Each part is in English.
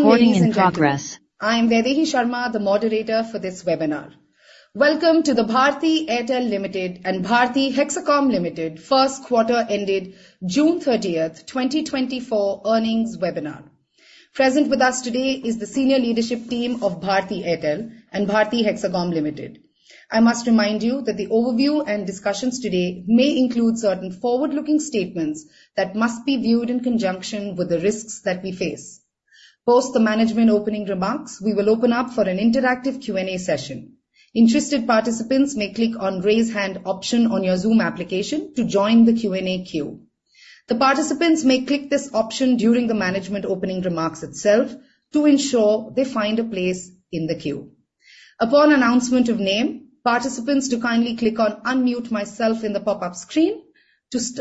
Recording in progress. I'm Devi Sharma, the moderator for this webinar. Welcome to the Bharti Airtel Limited and Bharti Hexacom Limited First Quarter Ended June 30, 2024 Earnings Webinar. Present with us today is the Senior Leadership Team of Bharti Airtel and Bharti Hexacom Limited. I must remind you that the overview and discussions today may include certain forward-looking statements that must be viewed in conjunction with the risks that we face. Post the management opening remarks, we will open up for an interactive Q&A session. Interested participants may click on the raise hand option on your Zoom application to join the Q&A queue. The participants may click this option during the management opening remarks itself to ensure they find a place in the queue. Upon announcement of name, participants do kindly click on Unmute Myself in the pop-up screen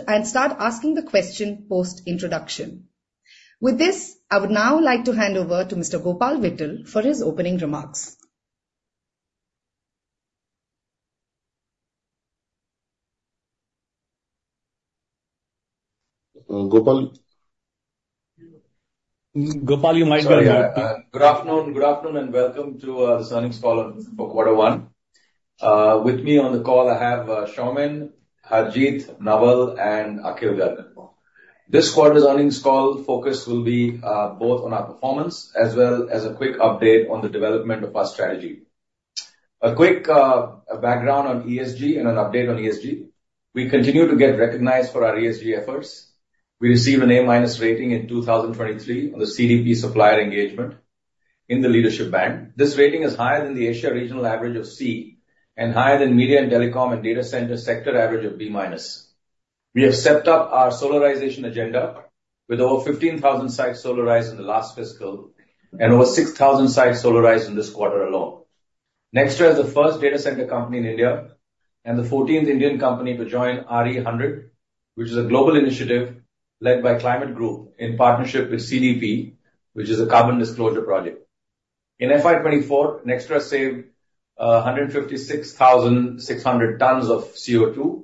and start asking the question post-introduction. With this, I would now like to hand over to Mr. Gopal Vittal for his opening remarks. Gopal? Gopal, you might be on mute. Good afternoon. Good afternoon, and welcome to the earnings call for Quarter One. With me on the call, I have Soumen, Harjeet, Naval, and Akhil Garg. This quarter's earnings call focus will be both on our performance as well as a quick update on the development of our strategy. A quick background on ESG and an update on ESG. We continue to get recognized for our ESG efforts. We received an A rating in 2023 on the CDP Supplier Engagement in the leadership band. This rating is higher than the Asia regional average of C and higher than media and telecom and data center sector average of B-. We have stepped up our solarization agenda with over 15,000 sites solarized in the last fiscal and over 6,000 sites solarized in this quarter alone. Nxtra is the first data center company in India and the 14th Indian company to join RE100, which is a global initiative led by Climate Group in partnership with CDP, which is a carbon disclosure project. In FY2024, Nxtra saved 156,600 tons of CO2,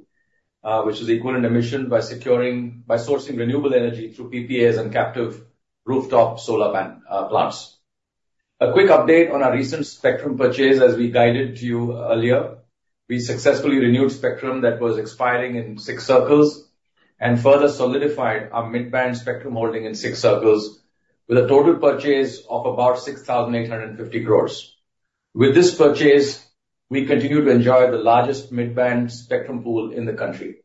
which is the equivalent emission by sourcing renewable energy through PPAs and captive rooftop solar plants. A quick update on our recent Spectrum purchase, as we guided you earlier. We successfully renewed Spectrum that was expiring in six circles and further solidified our mid-band Spectrum holding in six circles with a total purchase of about 6,850 crores. With this purchase, we continue to enjoy the largest mid-band Spectrum pool in the country.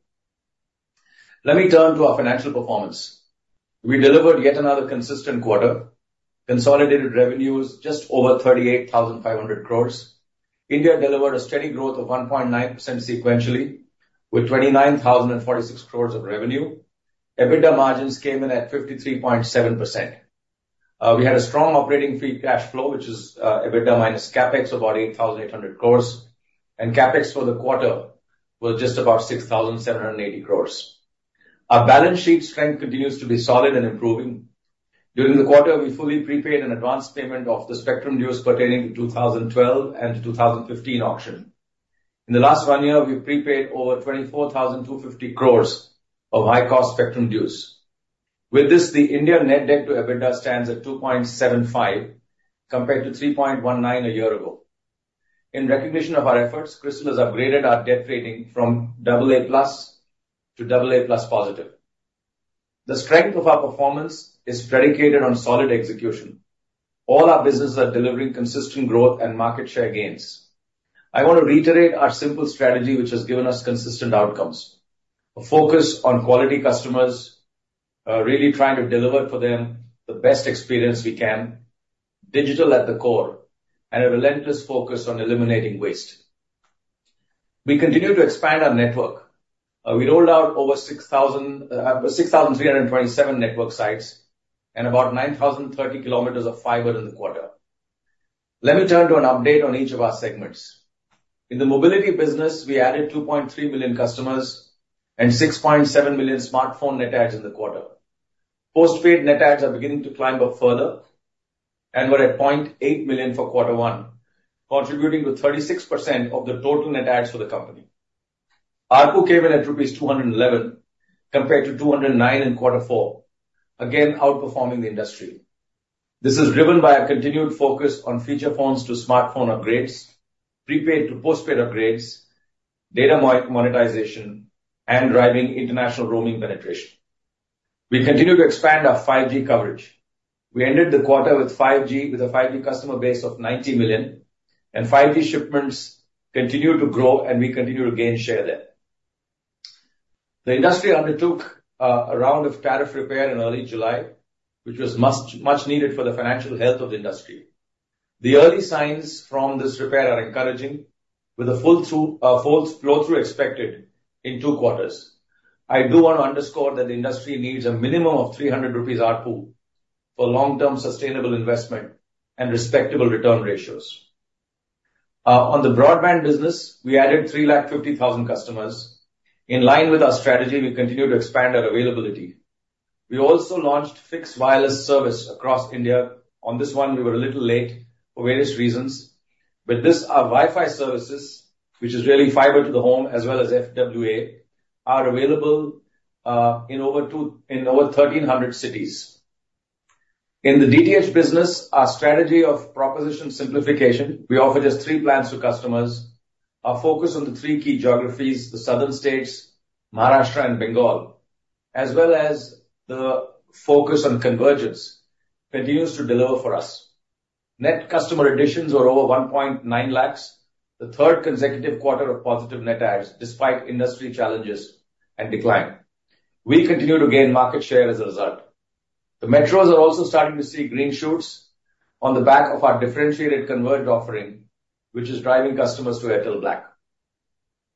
Let me turn to our financial performance. We delivered yet another consistent quarter, consolidated revenues just over 38,500 crores. India delivered a steady growth of 1.9% sequentially with 29,046 crores of revenue. EBITDA margins came in at 53.7%. We had a strong operating free cash flow, which is EBITDA minus Capex of about 8,800 crores, and Capex for the quarter was just about 6,780 crores. Our balance sheet strength continues to be solid and improving. During the quarter, we fully prepaid an advance payment of the spectrum dues pertaining to 2012 and 2015 auction. In the last one year, we prepaid over 24,250 crores of high-cost spectrum dues. With this, the India net debt to EBITDA stands at 2.75 compared to 3.19 a year ago. In recognition of our efforts, CRISIL has upgraded our debt rating from AA+ to AA+ positive. The strength of our performance is predicated on solid execution. All our businesses are delivering consistent growth and market share gains. I want to reiterate our simple strategy, which has given us consistent outcomes: a focus on quality customers, really trying to deliver for them the best experience we can, digital at the core, and a relentless focus on eliminating waste. We continue to expand our network. We rolled out over 6,327 network sites and about 9,030 km of fiber in the quarter. Let me turn to an update on each of our segments. In the mobility business, we added 2.3 million customers and 6.7 million smartphone net adds in the quarter. Postpaid net adds are beginning to climb up further, and we're at 0.8 million for Quarter One, contributing to 36% of the total net adds for the company. Our ARPU at rupees 211 compared to 209 in Quarter Four, again outperforming the industry. This is driven by a continued focus on feature phones to smartphone upgrades, prepaid to postpaid upgrades, data monetization, and driving international roaming penetration. We continue to expand our 5G coverage. We ended the quarter with a 5G customer base of 90 million, and 5G shipments continue to grow, and we continue to gain share there. The industry undertook a round of tariff repair in early July, which was much needed for the financial health of the industry. The early signs from this repair are encouraging, with a full flow-through expected in two quarters. I do want to underscore that the industry needs a minimum of 300 rupees ARPU for long-term sustainable investment and respectable return ratios. On the broadband business, we added 350,000 customers. In line with our strategy, we continue to expand our availability. We also launched fixed wireless service across India. On this one, we were a little late for various reasons. With this, our Wi-Fi services, which is really fiber to the home as well as FWA, are available in over 1,300 cities. In the DTH business, our strategy of proposition simplification, we offer just three plans to customers. Our focus on the three key geographies, the southern states, Maharashtra, and Bengal, as well as the focus on convergence, continues to deliver for us. Net customer additions were over 1.9 lakhs, the third consecutive quarter of positive net adds, despite industry challenges and decline. We continue to gain market share as a result. The metros are also starting to see green shoots on the back of our differentiated converged offering, which is driving customers to Airtel Black.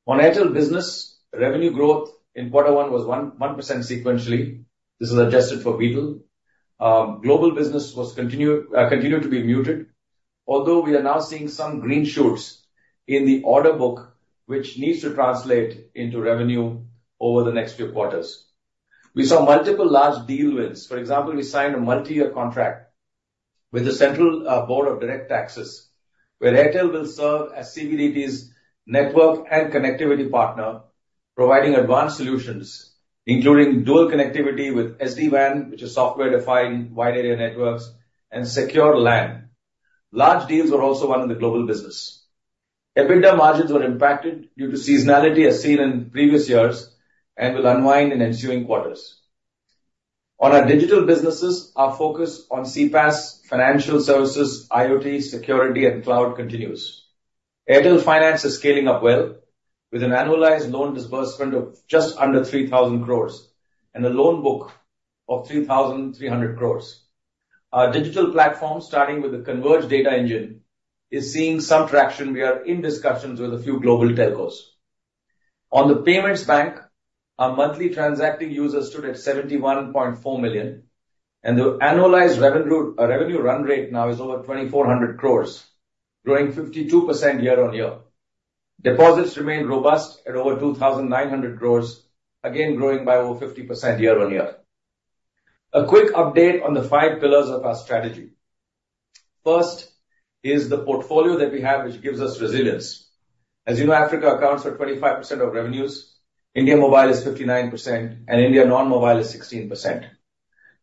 On Airtel business, revenue growth in Quarter One was 1% sequentially. This is adjusted for currency. Global business continued to be muted, although we are now seeing some green shoots in the order book, which needs to translate into revenue over the next few quarters. We saw multiple large deal wins. For example, we signed a multi-year contract with the Central Board of Direct Taxes, where Airtel will serve as CBDT's network and connectivity partner, providing advanced solutions, including dual connectivity with SD-WAN, which is software-defined wide area networks, and secure LAN. Large deals were also won in the global business. EBITDA margins were impacted due to seasonality as seen in previous years and will unwind in ensuing quarters. On our digital businesses, our focus on CPaaS, financial services, IoT, security, and cloud continues. Airtel Finance is scaling up well, with an annualized loan disbursement of just under 3,000 crores and a loan book of 3,300 crores. Our digital platform, starting with the converged data engine, is seeing some traction. We are in discussions with a few global telcos. On the payments bank, our monthly transacting users stood at 71.4 million, and the annualized revenue run rate now is over 2,400 crores, growing 52% year-on-year. Deposits remain robust at over 2,900 crores, again growing by over 50% year-on-year. A quick update on the five pillars of our strategy. First is the portfolio that we have, which gives us resilience. As you know, Africa accounts for 25% of revenues. India Mobile is 59%, and India Non-Mobile is 16%.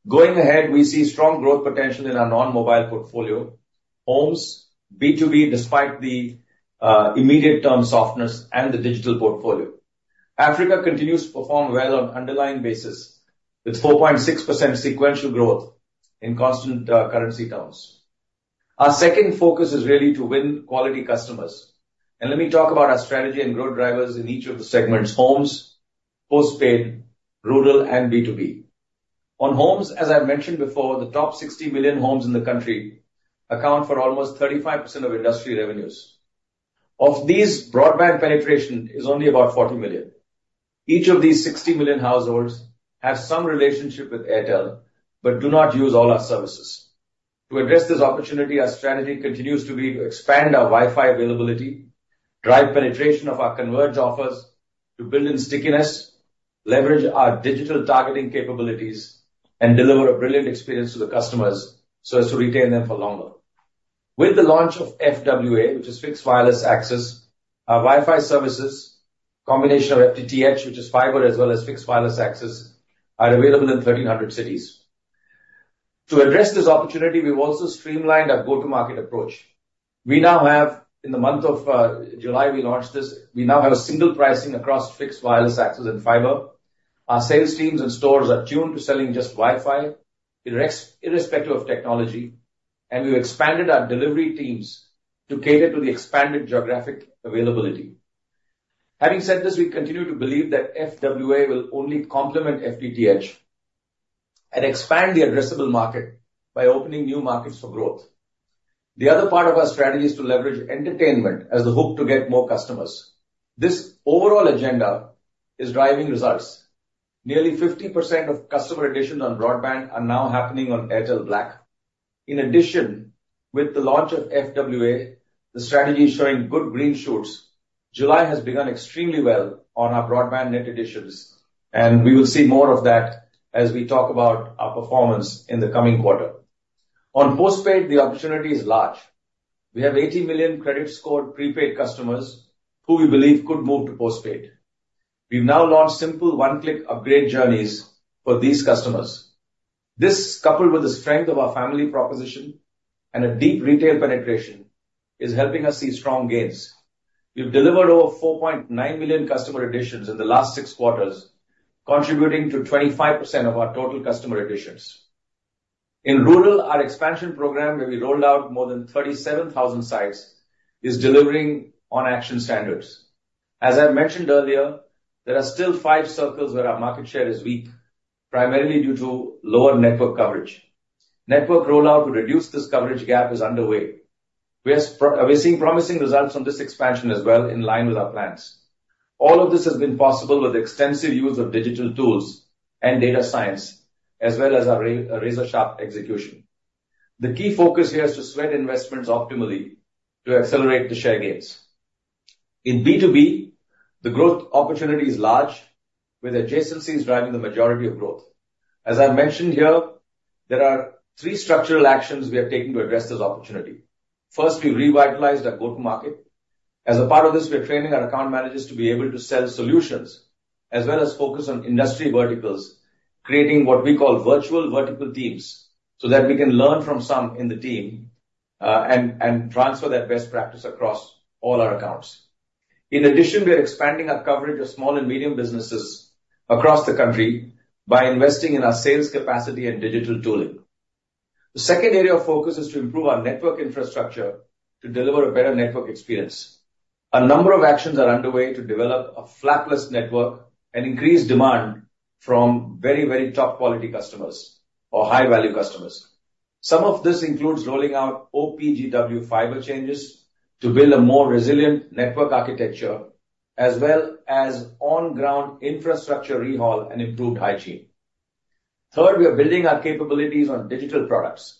Going ahead, we see strong growth potential in our non-mobile portfolio, homes, B2B, despite the immediate term softness and the digital portfolio. Africa continues to perform well on underlying basis, with 4.6% sequential growth in constant currency terms. Our second focus is really to win quality customers. Let me talk about our strategy and growth drivers in each of the segments: homes, postpaid, rural, and B2B. On homes, as I've mentioned before, the top 60 million homes in the country account for almost 35% of industry revenues. Of these, broadband penetration is only about 40 million. Each of these 60 million households has some relationship with Airtel but do not use all our services. To address this opportunity, our strategy continues to be to expand our Wi-Fi availability, drive penetration of our converged offers, to build in stickiness, leverage our digital targeting capabilities, and deliver a brilliant experience to the customers so as to retain them for longer. With the launch of FWA, which is fixed wireless access, our Wi-Fi services, a combination of FTTH, which is fiber, as well as fixed wireless access, are available in 1,300 cities. To address this opportunity, we've also streamlined our go-to-market approach. We now have, in the month of July, we launched this, we now have a single pricing across fixed wireless access and fiber. Our sales teams and stores are tuned to selling just Wi-Fi irrespective of technology, and we've expanded our delivery teams to cater to the expanded geographic availability. Having said this, we continue to believe that FWA will only complement FTTH and expand the addressable market by opening new markets for growth. The other part of our strategy is to leverage entertainment as the hook to get more customers. This overall agenda is driving results. Nearly 50% of customer additions on broadband are now happening on Airtel Black. In addition, with the launch of FWA, the strategy is showing good green shoots. July has begun extremely well on our broadband net additions, and we will see more of that as we talk about our performance in the coming quarter. On postpaid, the opportunity is large. We have 80 million credit-scored prepaid customers who we believe could move to postpaid. We've now launched simple one-click upgrade journeys for these customers. This, coupled with the strength of our family proposition and a deep retail penetration, is helping us see strong gains. We've delivered over 4.9 million customer additions in the last six quarters, contributing to 25% of our total customer additions. In rural, our expansion program, where we rolled out more than 37,000 sites, is delivering on action standards. As I mentioned earlier, there are still five circles where our market share is weak, primarily due to lower network coverage. Network rollout to reduce this coverage gap is underway. We are seeing promising results from this expansion as well, in line with our plans. All of this has been possible with extensive use of digital tools and data science, as well as our razor-sharp execution. The key focus here is to spread investments optimally to accelerate the share gains. In B2B, the growth opportunity is large, with adjacencies driving the majority of growth. As I mentioned here, there are three structural actions we have taken to address this opportunity. First, we revitalized our go-to-market. As a part of this, we are training our account managers to be able to sell solutions as well as focus on industry verticals, creating what we call virtual vertical teams so that we can learn from some in the team and transfer that best practice across all our accounts. In addition, we are expanding our coverage of small and medium businesses across the country by investing in our sales capacity and digital tooling. The second area of focus is to improve our network infrastructure to deliver a better network experience. A number of actions are underway to develop a flapless network and increase demand from very, very top-quality customers or high-value customers. Some of this includes rolling out OPGW fiber changes to build a more resilient network architecture, as well as on-ground infrastructure recall and improved hygiene. Third, we are building our capabilities on digital products.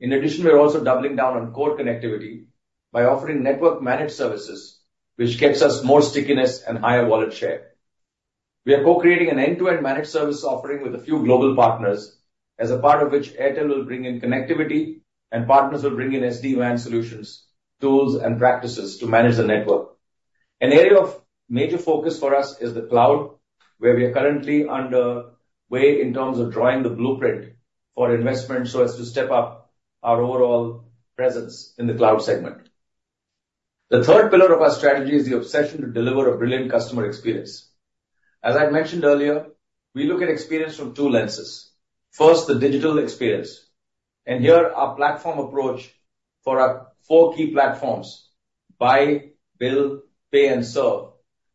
In addition, we are also doubling down on core connectivity by offering network-managed services, which gets us more stickiness and higher wallet share. We are co-creating an end-to-end managed service offering with a few global partners, as a part of which Airtel will bring in connectivity, and partners will bring in SD-WAN solutions, tools, and practices to manage the network. An area of major focus for us is the cloud, where we are currently underway in terms of drawing the blueprint for investment so as to step up our overall presence in the cloud segment. The third pillar of our strategy is the obsession to deliver a brilliant customer experience. As I mentioned earlier, we look at experience from two lenses. First, the digital experience. Here, our platform approach for our four key platforms, buy, bill, pay, and serve,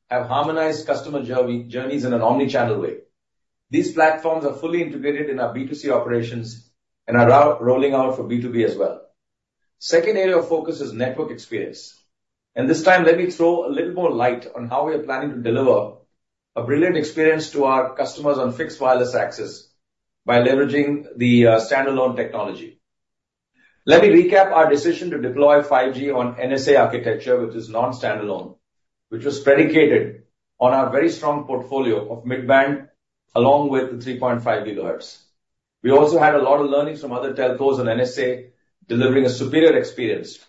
have harmonized customer journeys in an omnichannel way. These platforms are fully integrated in our B2C operations and are rolling out for B2B as well. The second area of focus is network experience. This time, let me throw a little more light on how we are planning to deliver a brilliant experience to our customers on fixed wireless access by leveraging the standalone technology. Let me recap our decision to deploy 5G on NSA architecture, which is non-standalone, which was predicated on our very strong portfolio of midband along with the 3.5 GHz. We also had a lot of learnings from other telcos on NSA, delivering a superior experience,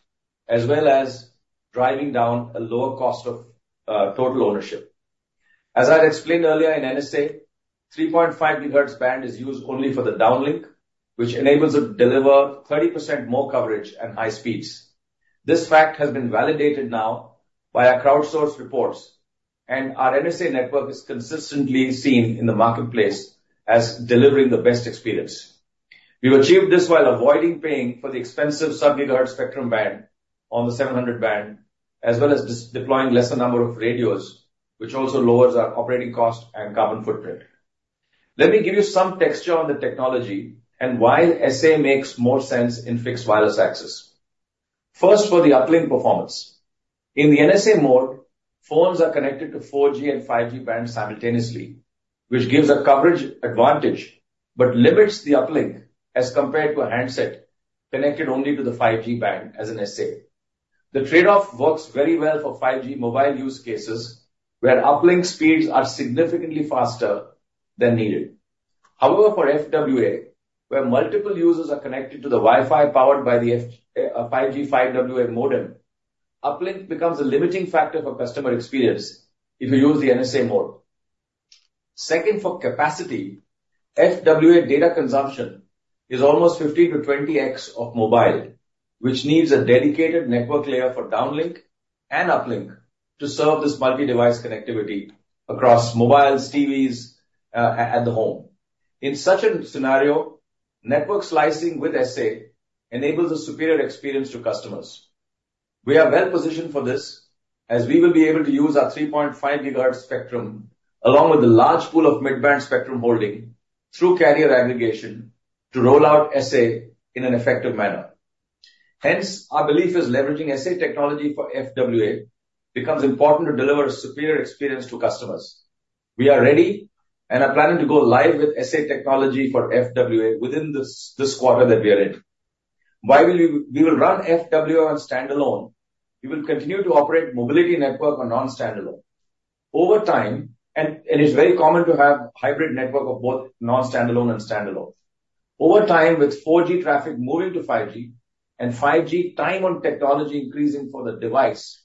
as well as driving down a lower cost of total ownership. As I explained earlier in NSA, 3.5 GHz band is used only for the downlink, which enables it to deliver 30% more coverage and high speeds. This fact has been validated now by our crowdsourced reports, and our NSA network is consistently seen in the marketplace as delivering the best experience. We've achieved this while avoiding paying for the expensive sub-gigahertz spectrum band on the 700 band, as well as deploying a lesser number of radios, which also lowers our operating cost and carbon footprint. Let me give you some texture on the technology and why SA makes more sense in fixed wireless access. First, for the uplink performance. In the NSA mode, phones are connected to 4G and 5G band simultaneously, which gives a coverage advantage but limits the uplink as compared to a handset connected only to the 5G band as an SA. The trade-off works very well for 5G mobile use cases, where uplink speeds are significantly faster than needed. However, for FWA, where multiple users are connected to the Wi-Fi powered by the 5G FWA modem, uplink becomes a limiting factor for customer experience if you use the NSA mode. Second, for capacity, FWA data consumption is almost 15-20x of mobile, which needs a dedicated network layer for downlink and uplink to serve this multi-device connectivity across mobiles, TVs at the home. In such a scenario, network slicing with SA enables a superior experience to customers. We are well positioned for this, as we will be able to use our 3.5 GHz spectrum along with the large pool of mid-band spectrum holding through carrier aggregation to roll out SA in an effective manner. Hence, our belief is leveraging SA technology for FWA becomes important to deliver a superior experience to customers. We are ready and are planning to go live with SA technology for FWA within this quarter that we are in. While we will run FWA on standalone, we will continue to operate mobility network on non-standalone. Over time, and it's very common to have a hybrid network of both non-standalone and standalone. Over time, with 4G traffic moving to 5G and 5G time on technology increasing for the device,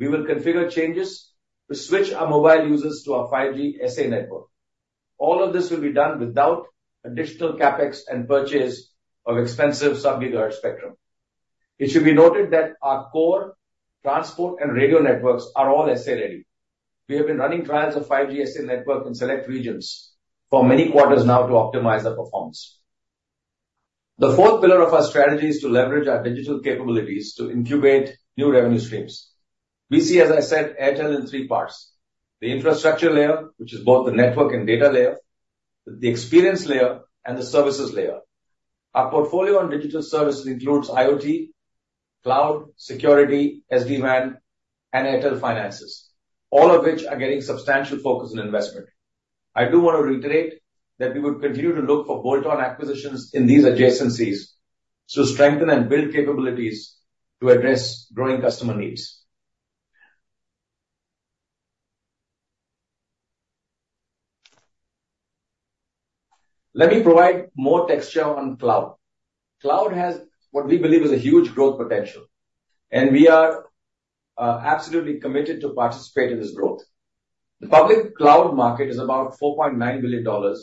we will configure changes to switch our mobile users to our 5G SA network. All of this will be done without additional Capex and purchase of expensive sub-gigahertz spectrum. It should be noted that our core transport and radio networks are all SA ready. We have been running trials of 5G SA network in select regions for many quarters now to optimize our performance. The fourth pillar of our strategy is to leverage our digital capabilities to incubate new revenue streams. We see, as I said, Airtel in three parts: the infrastructure layer, which is both the network and data layer, the experience layer, and the services layer. Our portfolio on digital services includes IoT, cloud, security, SD-WAN, and Airtel Finance, all of which are getting substantial focus and investment. I do want to reiterate that we would continue to look for bolt-on acquisitions in these adjacencies to strengthen and build capabilities to address growing customer needs. Let me provide more texture on cloud. Cloud has what we believe is a huge growth potential, and we are absolutely committed to participating in this growth. The public cloud market is about $4.9 billion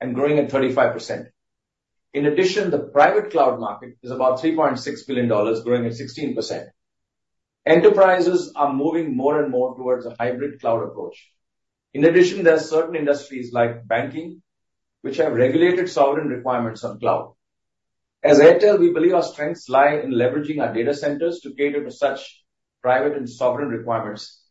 and growing at 35%. In addition, the private cloud market is about $3.6 billion, growing at 16%. Enterprises are moving more and more towards a hybrid cloud approach. In addition, there are certain industries like banking, which have regulated sovereign requirements on cloud. As Airtel, we believe our strengths lie in leveraging our data centers to cater to such private and sovereign requirements,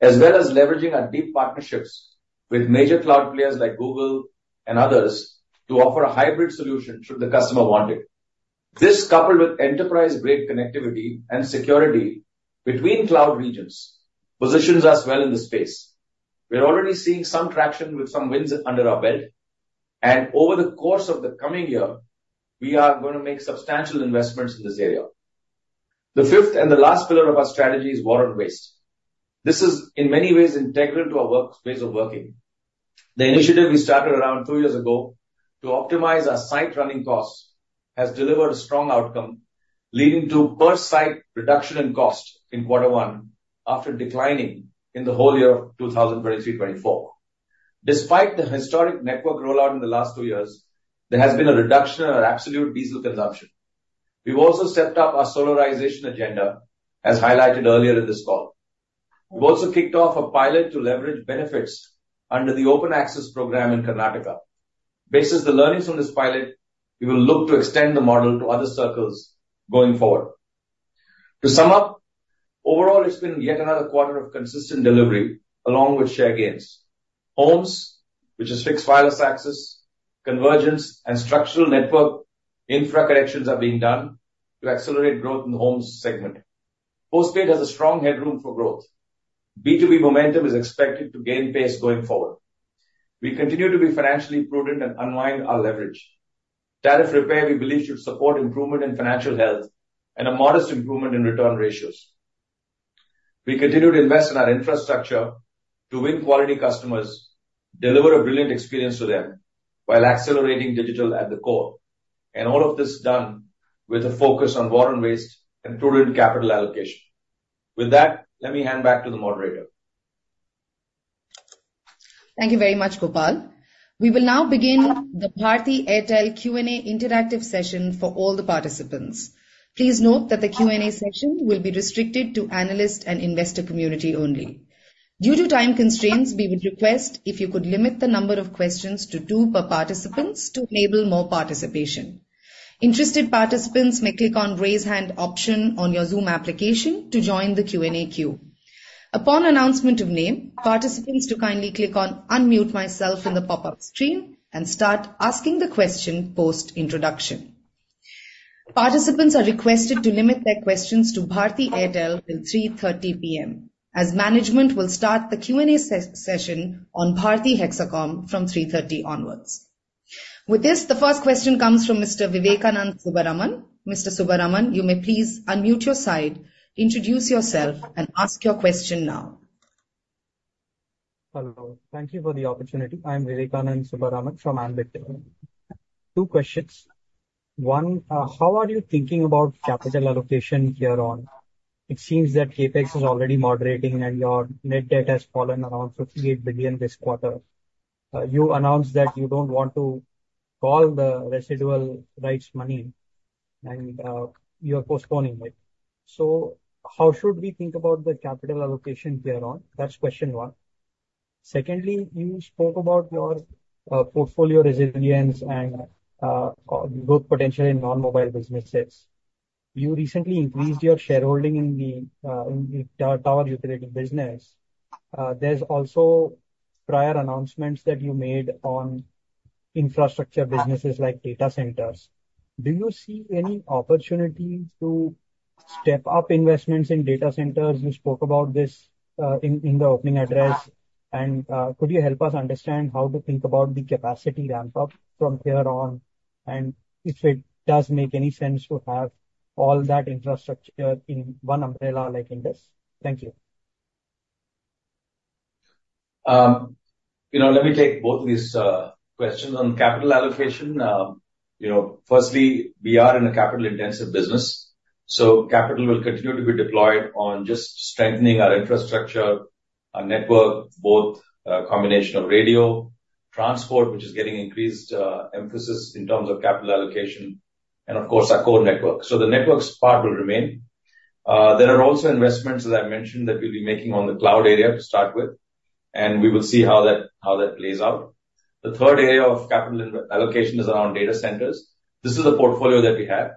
as well as leveraging our deep partnerships with major cloud players like Google and others to offer a hybrid solution should the customer want it. This, coupled with enterprise-grade connectivity and security between cloud regions, positions us well in the space. We're already seeing some traction with some wins under our belt, and over the course of the coming year, we are going to make substantial investments in this area. The fifth and the last pillar of our strategy is water and waste. This is, in many ways, integral to our ways of working. The initiative we started around two years ago to optimize our site running costs has delivered a strong outcome, leading to per-site reduction in cost in quarter one after declining in the whole year of 2023-24. Despite the historic network rollout in the last two years, there has been a reduction in our absolute diesel consumption. We've also stepped up our solarization agenda, as highlighted earlier in this call. We've also kicked off a pilot to leverage benefits under the open access program in Karnataka. Based on the learnings from this pilot, we will look to extend the model to other circles going forward. To sum up, overall, it's been yet another quarter of consistent delivery along with share gains. Homes, which is fixed wireless access, convergence, and structural network infra connections are being done to accelerate growth in the homes segment. Postpaid has a strong headroom for growth. B2B momentum is expected to gain pace going forward. We continue to be financially prudent and unwind our leverage. Tariff repair, we believe, should support improvement in financial health and a modest improvement in return ratios. We continue to invest in our infrastructure to win quality customers, deliver a brilliant experience to them while accelerating digital at the core. And all of this is done with a focus on water and waste and prudent capital allocation. With that, let me hand back to the moderator. Thank you very much, Gopal. We will now begin the Bharti Airtel Q&A interactive session for all the participants. Please note that the Q&A session will be restricted to the analyst and investor community only. Due to time constraints, we would request if you could limit the number of questions to 2 per participant to enable more participation. Interested participants may click on the raise hand option on your Zoom application to join the Q&A queue. Upon announcement of name, participants do kindly click on "Unmute myself" in the pop-up screen and start asking the question post-introduction. Participants are requested to limit their questions to Bharti Airtel till 3:30 P.M., as management will start the Q&A session on Bharti Hexacom from 3:30 onwards. With this, the first question comes from Mr. Vivekanand Subbaraman. Mr. Subbaraman, you may please unmute your side, introduce yourself, and ask your question now. Hello. Thank you for the opportunity. I'm Vivekanand Subbaraman from Ambit. Two questions. One, how are you thinking about capital allocation here on? It seems that Capex is already moderating and your net debt has fallen around 58 billion this quarter. You announced that you don't want to call the residual rights money and you are postponing it. So how should we think about the capital allocation here on? That's question one. Secondly, you spoke about your portfolio resilience and growth potential in non-mobile businesses. You recently increased your shareholding in the tower utility business. There's also prior announcements that you made on infrastructure businesses like data centers. Do you see any opportunity to step up investments in data centers? You spoke about this in the opening address. And could you help us understand how to think about the capacity ramp-up from here on and if it does make any sense to have all that infrastructure in one umbrella like Indus? Thank you. Let me take both of these questions on capital allocation. Firstly, we are in a capital-intensive business. Capital will continue to be deployed on just strengthening our infrastructure, our network, both a combination of radio transport, which is getting increased emphasis in terms of capital allocation, and of course, our core network. The network's part will remain. There are also investments, as I mentioned, that we'll be making on the cloud area to start with. We will see how that plays out. The third area of capital allocation is around data centers. This is the portfolio that we have.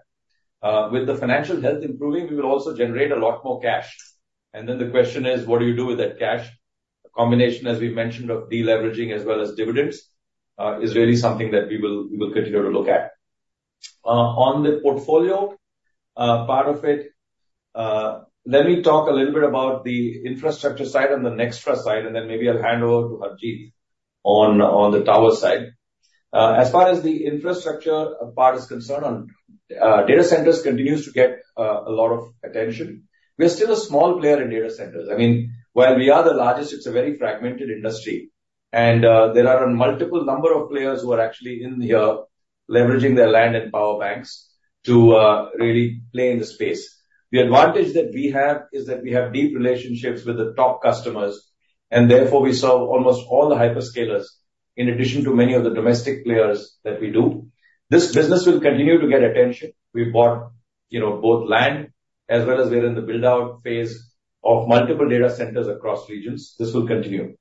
With the financial health improving, we will also generate a lot more cash. Then the question is, what do you do with that cash? A combination, as we mentioned, of deleveraging as well as dividends is really something that we will continue to look at. On the portfolio part of it, let me talk a little bit about the infrastructure side and the Nxtra side, and then maybe I'll hand over to Harjeet on the tower side. As far as the infrastructure part is concerned, data centers continue to get a lot of attention. We're still a small player in data centers. I mean, while we are the largest, it's a very fragmented industry. There are a multiple number of players who are actually in here leveraging their land and power banks to really play in the space. The advantage that we have is that we have deep relationships with the top customers, and therefore we serve almost all the hyperscalers in addition to many of the domestic players that we do. This business will continue to get attention. We bought both land as well as we're in the build-out phase of multiple data centers across regions. This will continue.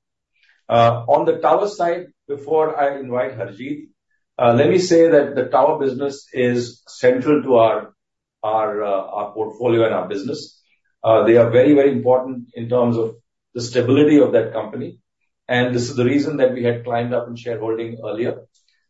On the tower side, before I invite Harjeet, let me say that the tower business is central to our portfolio and our business. They are very, very important in terms of the stability of that company. And this is the reason that we had climbed up in shareholding earlier.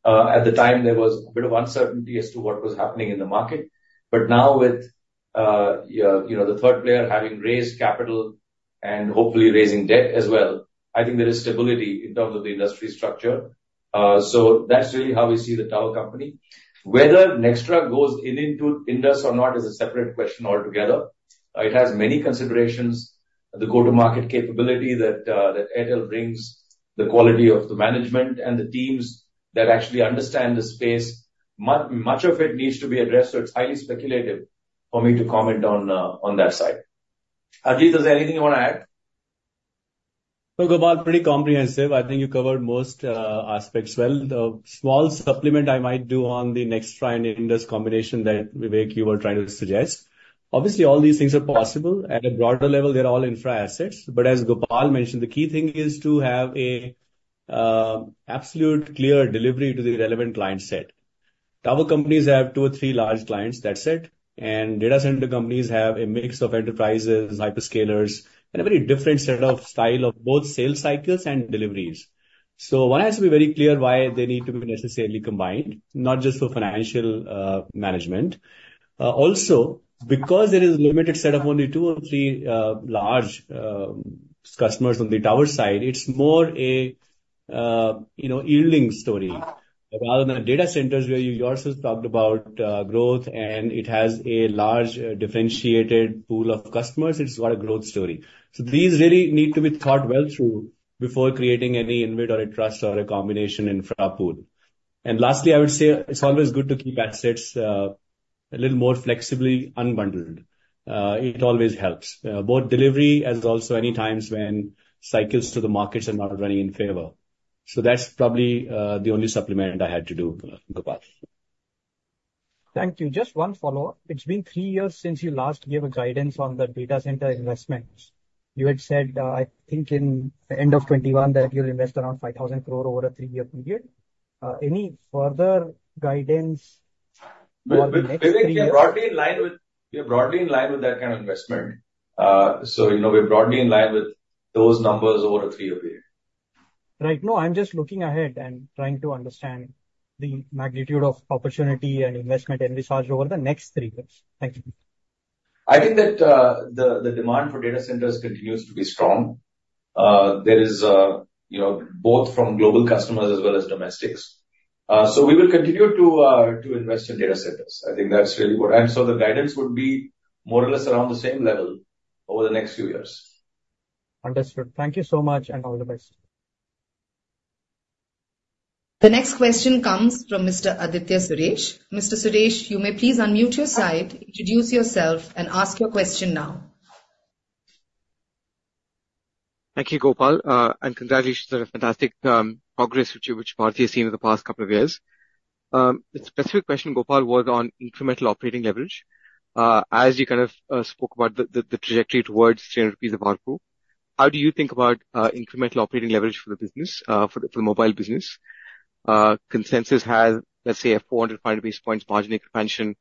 At the time, there was a bit of uncertainty as to what was happening in the market. But now, with the third player having raised capital and hopefully raising debt as well, I think there is stability in terms of the industry structure. So that's really how we see the tower company. Whether Nxtra goes into Indus or not is a separate question altogether. It has many considerations. The go-to-market capability that Airtel brings, the quality of the management and the teams that actually understand the space, much of it needs to be addressed. So it's highly speculative for me to comment on that side. Harjeet, is there anything you want to add? So, Gopal, pretty comprehensive. I think you covered most aspects well. The small supplement I might do on the Nxtra and Indus combination that Vivek you were trying to suggest. Obviously, all these things are possible. At a broader level, they're all infra assets. But as Gopal mentioned, the key thing is to have an absolute clear delivery to the relevant client set. Tower companies have two or three large clients, that's it. And data center companies have a mix of enterprises, hyperscalers, and a very different set of style of both sales cycles and deliveries. So one has to be very clear why they need to be necessarily combined, not just for financial management. Also, because there is a limited set of only two or three large customers on the tower side, it's more a yielding story rather than data centers where you yourself talked about growth, and it has a large differentiated pool of customers. It's got a growth story. So these really need to be thought well through before creating any inventory trust or a combination infra pool. And lastly, I would say it's always good to keep assets a little more flexibly unbundled. It always helps, both delivery as well as any times when cycles to the markets are not running in favor. So that's probably the only supplement I had to do, Gopal. Thank you. Just one follow-up. It's been 3 years since you last gave a guidance on the data center investments. You had said, I think in the end of 2021, that you'll invest around 5,000 crore over a 3-year period. Any further guidance? We're broadly in line with that kind of investment. So we're broadly in line with those numbers over a 3-year period. Right. No, I'm just looking ahead and trying to understand the magnitude of opportunity and investment in research over the next 3 years. Thank you. I think that the demand for data centers continues to be strong. There is both from global customers as well as domestics. So we will continue to invest in data centers. I think that's really what I'm so the guidance would be more or less around the same level over the next few years. Understood. Thank you so much and all the best. The next question comes from Mr. Aditya Suresh. Mr. Suresh, you may please unmute your side, introduce yourself, and ask your question now. Thank you, Gopal. Congratulations on a fantastic progress which Bharti has seen in the past couple of years. The specific question, Gopal, was on incremental operating leverage. As you kind of spoke about the trajectory towards 300 rupees of RPU, how do you think about incremental operating leverage for the business, for the mobile business? Consensus has, let's say, a 400 basis points margin expansion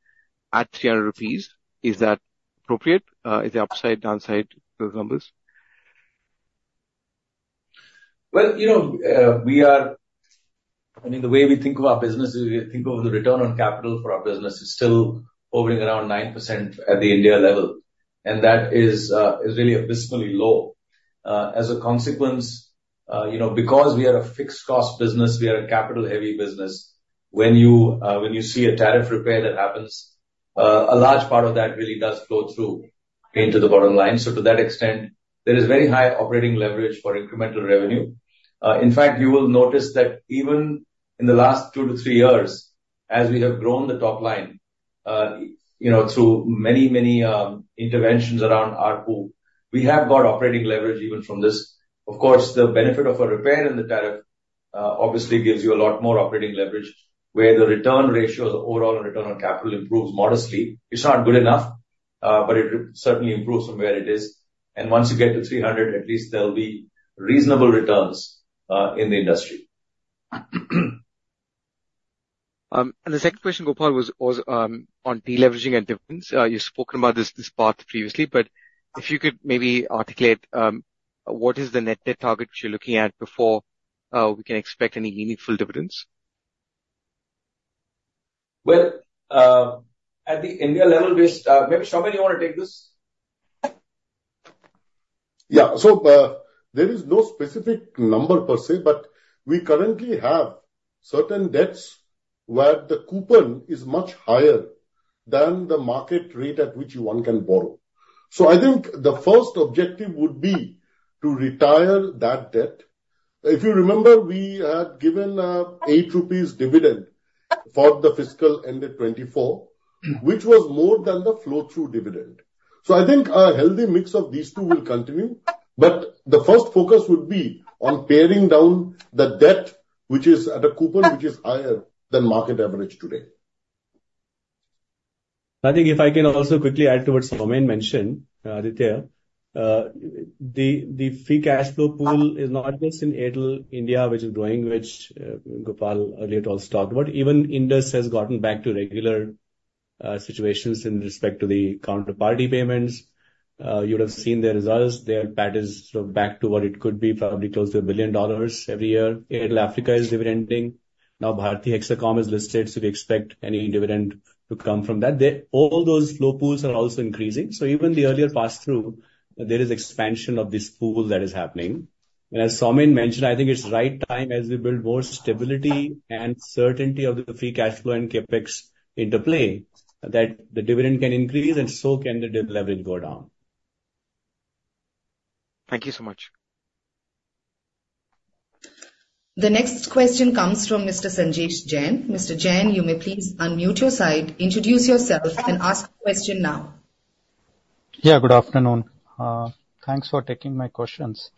at 300 rupees. Is that appropriate? Is there upside, downside to those numbers? Well, you know we are I mean, the way we think of our business is we think of the return on capital for our business is still hovering around 9% at the India level. And that is really abysmally low. As a consequence, because we are a fixed-cost business, we are a capital-heavy business. When you see a tariff repair that happens, a large part of that really does flow through into the bottom line. So to that extent, there is very high operating leverage for incremental revenue. In fact, you will notice that even in the last 2-3 years, as we have grown the top line through many, many interventions around RPU, we have got operating leverage even from this. Of course, the benefit of a repair in the tariff obviously gives you a lot more operating leverage, where the return ratio overall on return on capital improves modestly. It's not good enough, but it certainly improves from where it is. And once you get to 300, at least there'll be reasonable returns in the industry. And the second question, Gopal, was on deleveraging and dividends. You spoke about this path previously, but if you could maybe articulate what is the net debt target which you're looking at before we can expect any meaningful dividends? Well, at the India level, maybe Soumen, you want to take this? Yeah. So there is no specific number per se, but we currently have certain debts where the coupon is much higher than the market rate at which one can borrow. So I think the first objective would be to retire that debt. If you remember, we had given an 8 rupees dividend for the fiscal end of 2024, which was more than the flow-through dividend. So I think a healthy mix of these two will continue. But the first focus would be on paring down the debt, which is at a coupon which is higher than market average today. I think if I can also quickly add to what Soumen mentioned, Aditya, the free cash flow pool is not just in Airtel India, which is growing, which Gopal earlier also talked about. Even Indus has gotten back to regular situations in respect to the counterparty payments. You would have seen the results. Their pattern is back to what it could be, probably close to $1 billion every year. Airtel Africa is dividending. Now, Bharti Hexacom is listed, so we expect any dividend to come from that. All those flow pools are also increasing. So even the earlier pass-through, there is expansion of this pool that is happening. And as Soumen mentioned, I think it's the right time as we build more stability and certainty of the free cash flow and Capex into play that the dividend can increase and so can the leverage go down. Thank you so much. The next question comes from Mr. Sanjesh Jain. Mr. Jain, you may please unmute your side, introduce yourself, and ask a question now. Yeah, good afternoon. Thanks for taking my questions.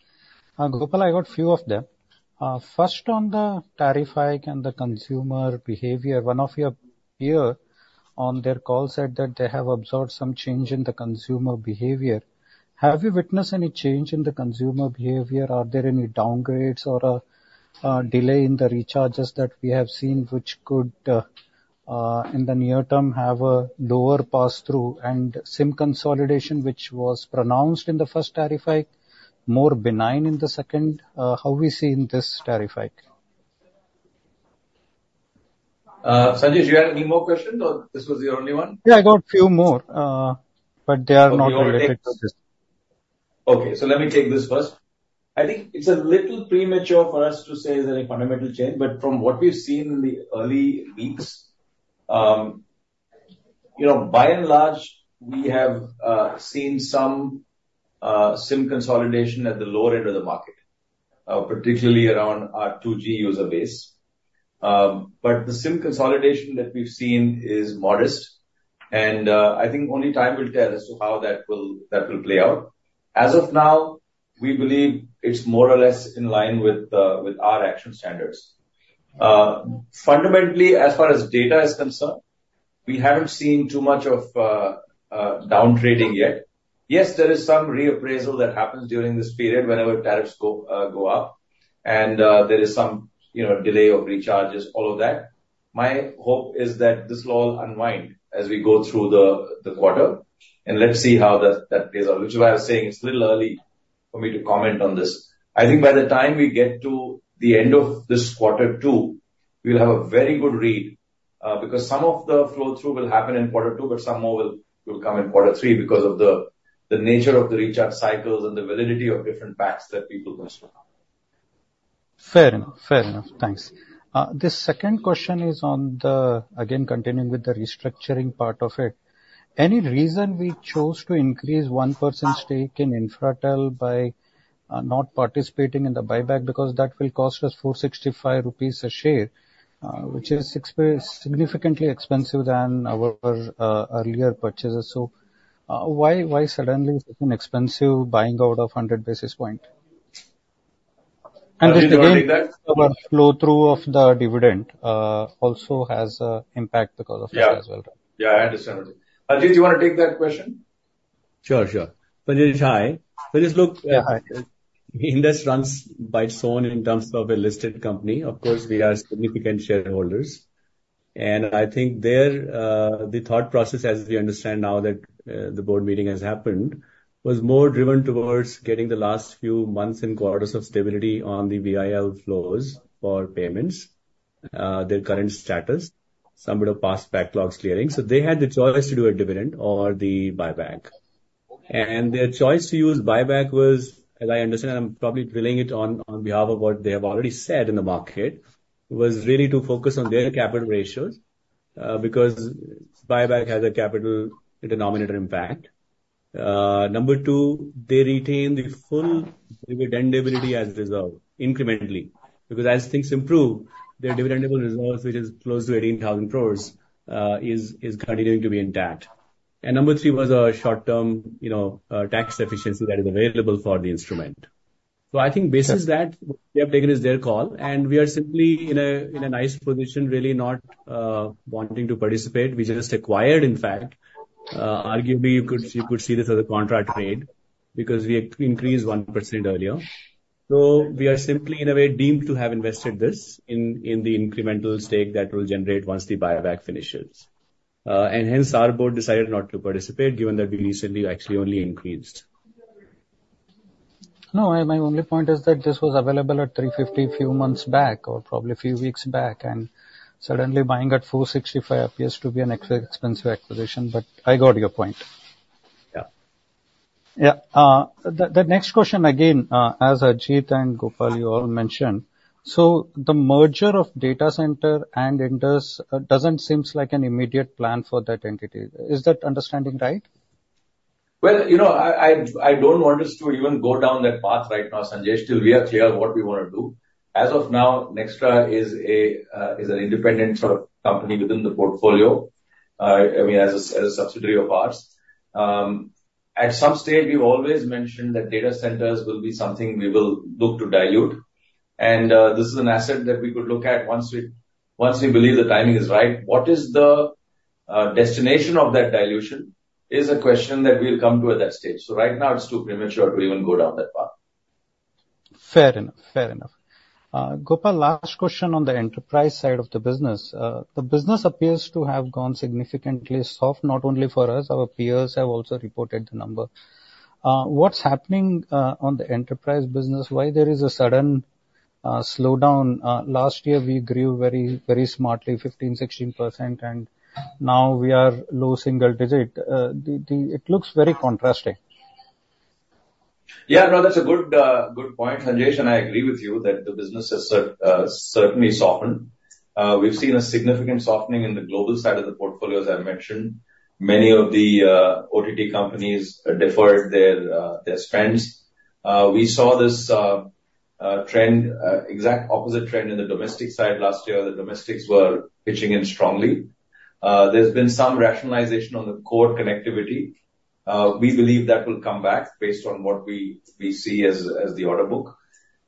Gopal, I got a few of them. First, on the tariff hike and the consumer behavior, one of your peers on their call said that they have observed some change in the consumer behavior. Have you witnessed any change in the consumer behavior? Are there any downgrades or a delay in the recharges that we have seen, which could, in the near term, have a lower pass-through? And SIM consolidation, which was pronounced in the first tariff hike, more benign in the second, how we see in this tariff hike? Sanjesh, you had any more questions, or this was the only one? Yeah, I got a few more, but they are not related to this. Okay. So let me take this first. I think it's a little premature for us to say there's any fundamental change. But from what we've seen in the early weeks, by and large, we have seen some SIM consolidation at the lower end of the market, particularly around our 2G user base. But the SIM consolidation that we've seen is modest. And I think only time will tell as to how that will play out. As of now, we believe it's more or less in line with our action standards. Fundamentally, as far as data is concerned, we haven't seen too much of downtrading yet. Yes, there is some reappraisal that happens during this period whenever tariffs go up. And there is some delay of recharges, all of that. My hope is that this will all unwind as we go through the quarter. Let's see how that plays out, which I was saying it's a little early for me to comment on this. I think by the time we get to the end of this quarter two, we'll have a very good read because some of the flow-through will happen in quarter two, but some more will come in quarter three because of the nature of the recharge cycles and the validity of different packs that people consume. Fair enough. Fair enough. Thanks. The second question is on the, again, continuing with the restructuring part of it. Any reason we chose to increase one percent stake in Indus Towers by not participating in the buyback because that will cost us 465 rupees a share, which is significantly expensive than our earlier purchases? So why suddenly such an expensive buying out of 100 basis points? And again, the flow-through of the dividend also has an impact because of that as well. Yeah, I understand. Harjeet, do you want to take that question? Sure, sure. Sanjesh, hi. So just look, Indus runs by its own in terms of a listed company. Of course, we are significant shareholders. And I think the thought process, as we understand now that the board meeting has happened, was more driven towards getting the last few months and quarters of stability on the VIL flows for payments, their current status, some bit of past backlog clearing. So they had the choice to do a dividend or the buyback. And their choice to use buyback was, as I understand, and I'm probably filling it on behalf of what they have already said in the market, was really to focus on their capital ratios because buyback has a capital denominator impact. Number two, they retain the full dividend ability as reserved incrementally because as things improve, their dividend ability reserves, which is close to 18,000 crore, is continuing to be intact. And number three was a short-term tax efficiency that is available for the instrument. So I think basis that we have taken is their call. And we are simply in a nice position, really not wanting to participate. We just acquired, in fact. Arguably, you could see this as a contra trade because we increased 1% earlier. So we are simply, in a way, deemed to have invested this in the incremental stake that will generate once the buyback finishes. And hence, our board decided not to participate given that we recently actually only increased. No, my only point is that this was available at 350 a few months back or probably a few weeks back. Suddenly buying at 465 appears to be an expensive acquisition, but I got your point. Yeah. Yeah. The next question, again, as Harjeet and Gopal, you all mentioned. So the merger of data center and Indus doesn't seem like an immediate plan for that entity. Is that understanding right? Well, I don't want us to even go down that path right now, Sanjesh. Still, we are clear on what we want to do. As of now, Nxtra is an independent sort of company within the portfolio, I mean, as a subsidiary of ours. At some stage, we've always mentioned that data centers will be something we will look to dilute. And this is an asset that we could look at once we believe the timing is right. What is the destination of that dilution is a question that we'll come to at that stage. So right now, it's too premature to even go down that path. Fair enough. Fair enough. Gopal, last question on the enterprise side of the business. The business appears to have gone significantly soft, not only for us. Our peers have also reported the number. What's happening on the enterprise business? Why there is a sudden slowdown? Last year, we grew very smartly, 15%-16%, and now we are low single digit. It looks very contrasting. Yeah, no, that's a good point, Sanjesh. And I agree with you that the business has certainly softened. We've seen a significant softening in the global side of the portfolio, as I mentioned. Many of the OTT companies deferred their spends. We saw this exact opposite trend in the domestic side last year. The domestics were pitching in strongly. There's been some rationalization on the core connectivity. We believe that will come back based on what we see as the order book.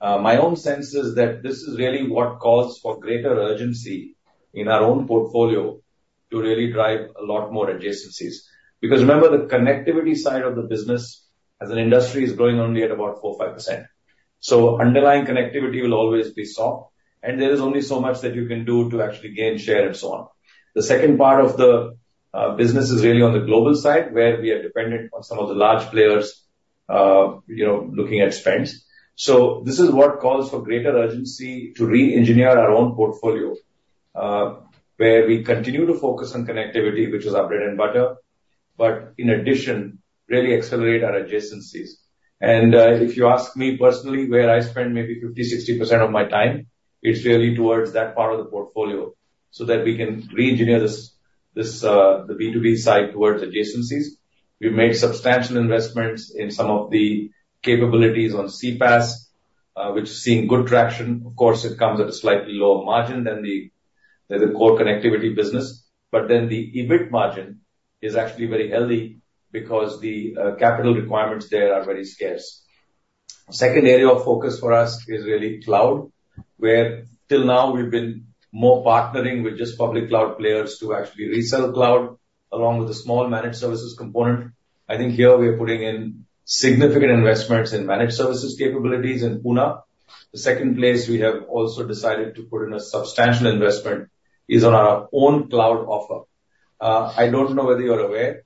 My own sense is that this is really what calls for greater urgency in our own portfolio to really drive a lot more adjacencies. Because remember, the connectivity side of the business, as an industry, is growing only at about 4%, 5%. So underlying connectivity will always be soft. And there is only so much that you can do to actually gain share and so on. The second part of the business is really on the global side, where we are dependent on some of the large players looking at spends. So this is what calls for greater urgency to re-engineer our own portfolio, where we continue to focus on connectivity, which is our bread and butter, but in addition, really accelerate our adjacencies. If you ask me personally where I spend maybe 50%, 60% of my time, it's really towards that part of the portfolio so that we can re-engineer the B2B side towards adjacencies. We've made substantial investments in some of the capabilities on CPaaS, which is seeing good traction. Of course, it comes at a slightly lower margin than the core connectivity business. Then the EBIT margin is actually very healthy because the capital requirements there are very scarce. Second area of focus for us is really cloud, where till now, we've been more partnering with just public cloud players to actually resell cloud along with a small managed services component. I think here we are putting in significant investments in managed services capabilities in Pune. The second place we have also decided to put in a substantial investment is on our own cloud offer. I don't know whether you're aware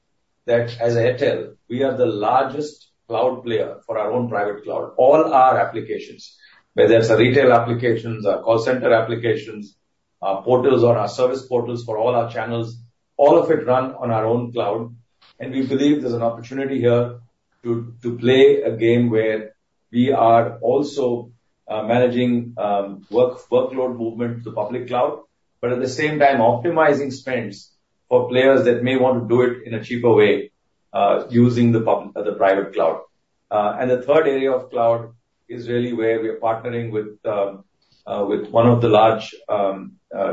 that as Airtel, we are the largest cloud player for our own private cloud. All our applications, whether it's our retail applications, our call center applications, our portals, or our service portals for all our channels, all of it runs on our own cloud. We believe there's an opportunity here to play a game where we are also managing workload movement to the public cloud, but at the same time, optimizing spends for players that may want to do it in a cheaper way using the private cloud. The third area of cloud is really where we are partnering with one of the large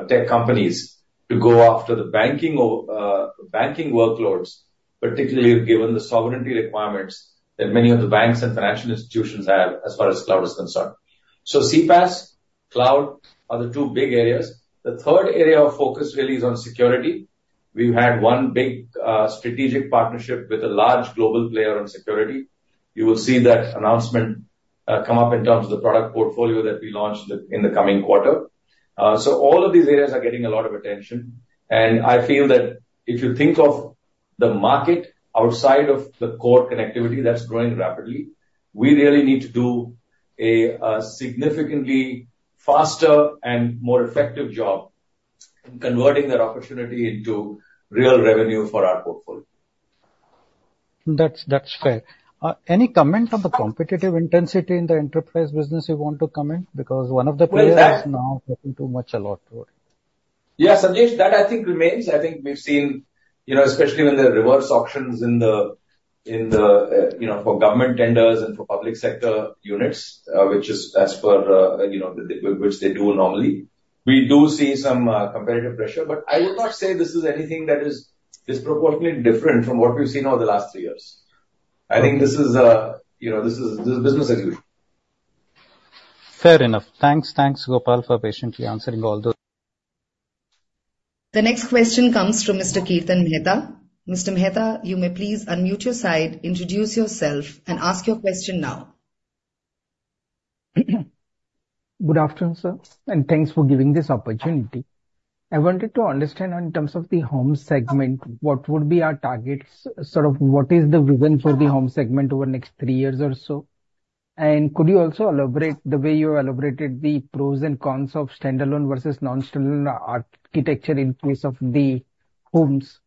tech companies to go after the banking workloads, particularly given the sovereignty requirements that many of the banks and financial institutions have as far as cloud is concerned. CPaaS, cloud, are the two big areas. The third area of focus really is on security. We've had one big strategic partnership with a large global player on security. You will see that announcement come up in terms of the product portfolio that we launched in the coming quarter. So all of these areas are getting a lot of attention. And I feel that if you think of the market outside of the core connectivity that's growing rapidly, we really need to do a significantly faster and more effective job in converting that opportunity into real revenue for our portfolio. That's fair. Any comment on the competitive intensity in the enterprise business you want to comment? Because one of the players is now working too much a lot for it. Yeah, Sanjesh, that I think remains. I think we've seen, especially when there are reverse auctions in the form of government tenders and for public sector units, which is as per which they do normally, we do see some competitive pressure. But I would not say this is anything that is disproportionately different from what we've seen over the last three years. I think this is business as usual. Fair enough. Thanks, thanks, Gopal, for patiently answering all those. The next question comes from Mr. Kirtan Mehta. Mr. Mehta, you may please unmute your side, introduce yourself, and ask your question now. Good afternoon, sir. And thanks for giving this opportunity. I wanted to understand in terms of the home segment, what would be our targets? Sort of what is the vision for the home segment over the next three years or so? And could you also elaborate the way you elaborated the pros and cons of standalone versus non-standalone architecture in case of the homes?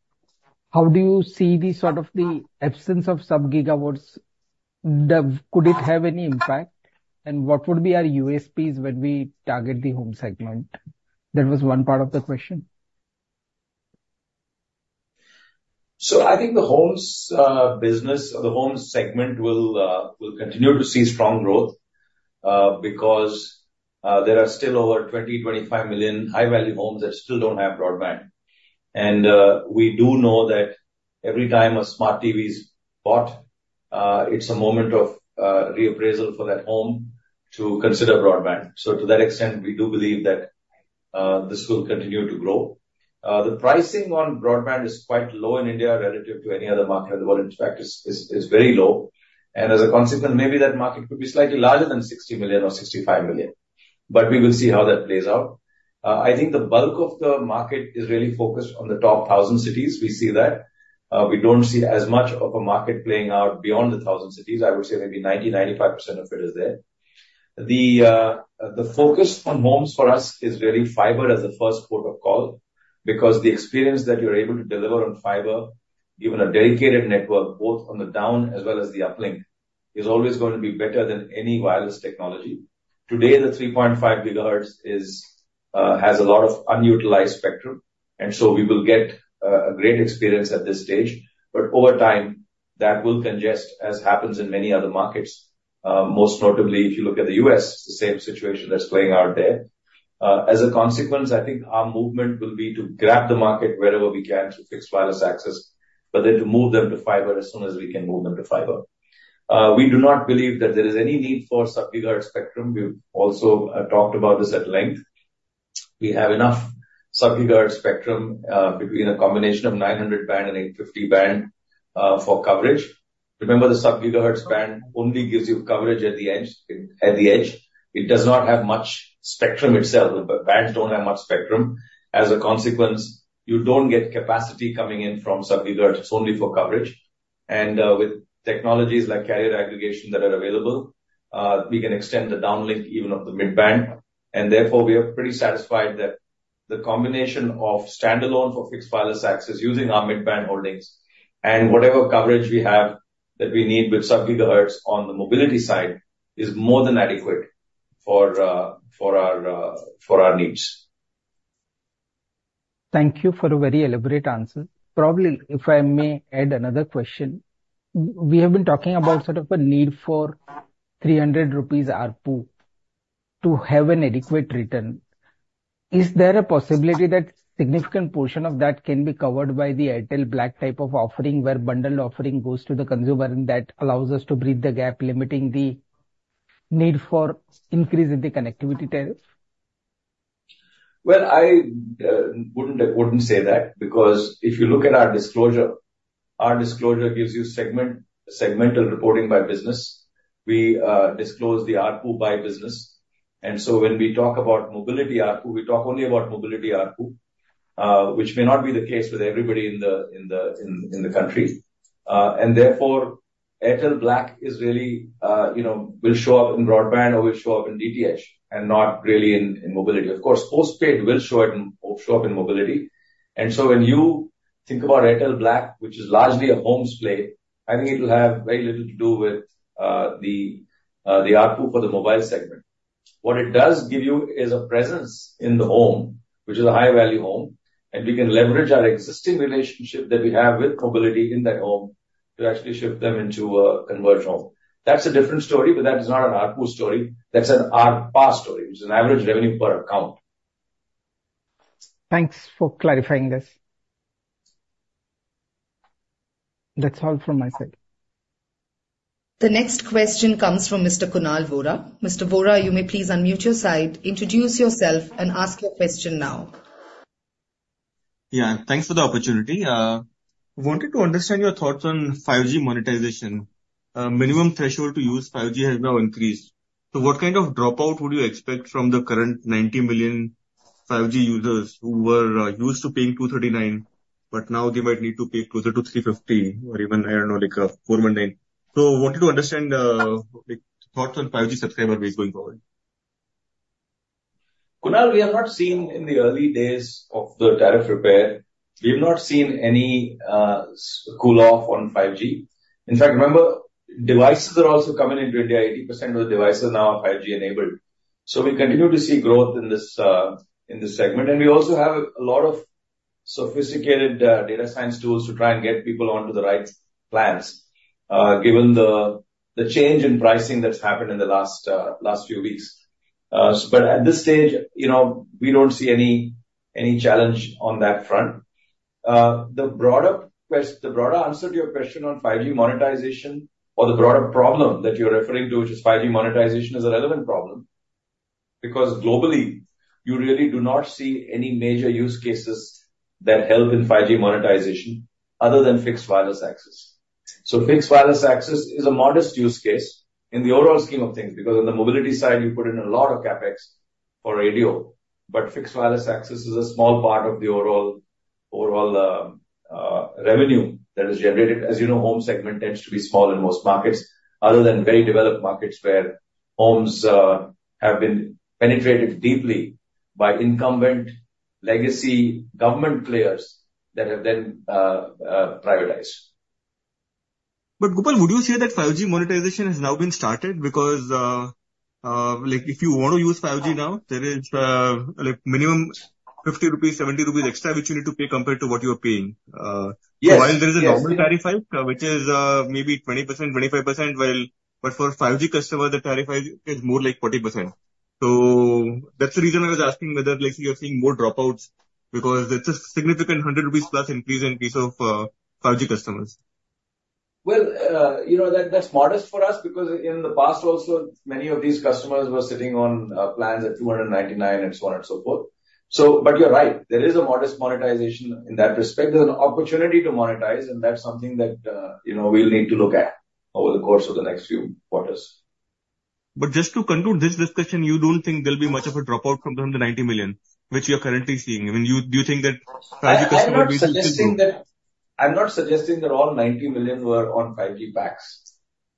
How do you see the sort of the absence of sub-gigahertz? Could it have any impact? And what would be our USPs when we target the home segment? That was one part of the question. So I think the home segment will continue to see strong growth because there are still over 20-25 million high-value homes that still don't have broadband. And we do know that every time a smart TV is bought, it's a moment of reappraisal for that home to consider broadband. So to that extent, we do believe that this will continue to grow. The pricing on broadband is quite low in India relative to any other market in the world. In fact, it's very low. As a consequence, maybe that market could be slightly larger than 60 million or 65 million. We will see how that plays out. I think the bulk of the market is really focused on the top 1,000 cities. We see that. We don't see as much of a market playing out beyond the 1,000 cities. I would say maybe 90%-95% of it is there. The focus on homes for us is really fiber as the first port of call because the experience that you're able to deliver on fiber, given a dedicated network both on the down as well as the uplink, is always going to be better than any wireless technology. Today, the 3.5 gigahertz has a lot of unutilized spectrum. So we will get a great experience at this stage. But over time, that will congest, as happens in many other markets, most notably, if you look at the U.S., the same situation that's playing out there. As a consequence, I think our movement will be to grab the market wherever we can to fixed wireless access, but then to move them to fiber as soon as we can move them to fiber. We do not believe that there is any need for sub-gigahertz spectrum. We've also talked about this at length. We have enough sub-gigahertz spectrum between a combination of 900 band and 850 band for coverage. Remember, the sub-gigahertz band only gives you coverage at the edge. It does not have much spectrum itself. The bands don't have much spectrum. As a consequence, you don't get capacity coming in from sub-gigahertz. It's only for coverage. With technologies like carrier aggregation that are available, we can extend the downlink even of the mid-band. And therefore, we are pretty satisfied that the combination of standalone for fixed wireless access using our mid-band holdings and whatever coverage we have that we need with sub-gigahertz on the mobility side is more than adequate for our needs. Thank you for a very elaborate answer. Probably, if I may add another question, we have been talking about sort of a need for 300 rupees RPU to have an adequate return. Is there a possibility that a significant portion of that can be covered by the Airtel Black type of offering where bundled offering goes to the consumer and that allows us to bridge the gap, limiting the need for increase in the connectivity tariff? Well, I wouldn't say that because if you look at our disclosure, our disclosure gives you segmental reporting by business. We disclose the ARPU by business. And so when we talk about mobility ARPU, we talk only about mobility ARPU, which may not be the case with everybody in the country. And therefore, Airtel Black will show up in broadband or will show up in DTH and not really in mobility. Of course, postpaid will show up in mobility. And so when you think about Airtel Black, which is largely a home play, I think it will have very little to do with the ARPU for the mobile segment. What it does give you is a presence in the home, which is a high-value home. And we can leverage our existing relationship that we have with mobility in that home to actually shift them into a converged home. That's a different story, but that is not an RPU story. That's an ARPA story, which is an average revenue per account. Thanks for clarifying this. That's all from my side. The next question comes from Mr. Kunal Vora. Mr. Vora, you may please unmute your side, introduce yourself, and ask your question now. Yeah, and thanks for the opportunity. I wanted to understand your thoughts on 5G monetization. Minimum threshold to use 5G has now increased. So what kind of dropout would you expect from the current 90 million 5G users who were used to paying 239, but now they might need to pay closer to 350 or even, I don't know, like 419? So I wanted to understand thoughts on 5G subscriber ways going forward. Kunal, we have not seen in the early days of the tariff repair, we have not seen any cool-off on 5G. In fact, remember, devices are also coming into India. 80% of the devices now are 5G-enabled. So we continue to see growth in this segment. And we also have a lot of sophisticated data science tools to try and get people onto the right plans, given the change in pricing that's happened in the last few weeks. But at this stage, we don't see any challenge on that front. The broader answer to your question on 5G monetization or the broader problem that you're referring to, which is 5G monetization, is a relevant problem because globally, you really do not see any major use cases that help in 5G monetization other than fixed wireless access. So fixed wireless access is a modest use case in the overall scheme of things because on the mobility side, you put in a lot of CapEx for radio. But fixed wireless access is a small part of the overall revenue that is generated. As you know, home segment tends to be small in most markets other than very developed markets where homes have been penetrated deeply by incumbent legacy government players that have then privatized. But Gopal, would you say that 5G monetization has now been started? Because if you want to use 5G now, there is minimum 50 rupees, 70 rupees extra which you need to pay compared to what you are paying. While there is a normal tariff, which is maybe 20%, 25%, but for 5G customers, the tariff is more like 40%. So that's the reason I was asking whether you're seeing more dropouts because it's a significant 100+ rupees increase in the case of 5G customers. Well, that's modest for us because in the past, also, many of these customers were sitting on plans at 299 and so on and so forth. But you're right. There is a modest monetization in that respect. There's an opportunity to monetize, and that's something that we'll need to look at over the course of the next few quarters. But just to conclude this discussion, you don't think there'll be much of a dropout from the 90 million, which you're currently seeing? I mean, do you think that 5G customers will be? I'm not suggesting that all 90 million were on 5G packs.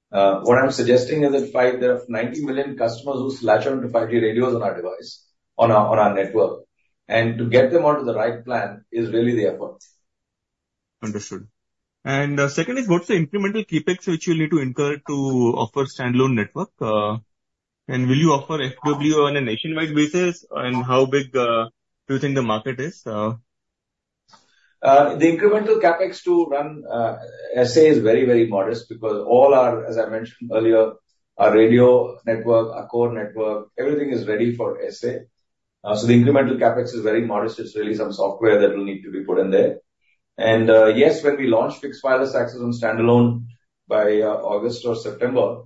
What I'm suggesting is that there are 90 million customers who latch onto 5G radios on our device, on our network. And to get them onto the right plan is really the effort. Understood. Second is, what's the incremental Capex which you'll need to incur to offer standalone network? And will you offer FWA on a nationwide basis? And how big do you think the market is? The incremental Capex to run SA is very, very modest because all our, as I mentioned earlier, our radio network, our core network, everything is ready for SA. So the incremental Capex is very modest. It's really some software that will need to be put in there. And yes, when we launch fixed wireless access on standalone by August or September,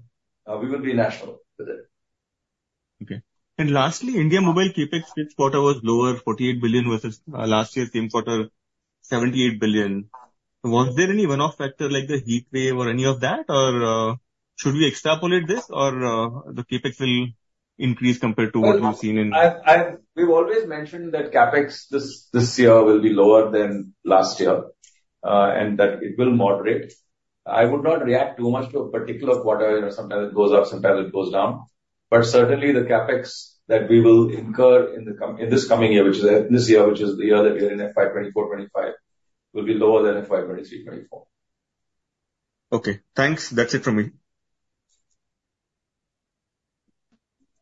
we will be national with it. Okay. And lastly, India mobile Capex fifth quarter was lower, 48 billion versus last year's same quarter, 78 billion. Was there any one-off factor like the heat wave or any of that? Or should we extrapolate this or the Capex will increase compared to what we've seen in? We've always mentioned that Capex this year will be lower than last year and that it will moderate. I would not react too much to a particular quarter. Sometimes it goes up, sometimes it goes down. But certainly, the Capex that we will incur in this coming year, which is this year, which is the year that we are in, FY24-25, will be lower than FY23-24. Okay. Thanks. That's it from me.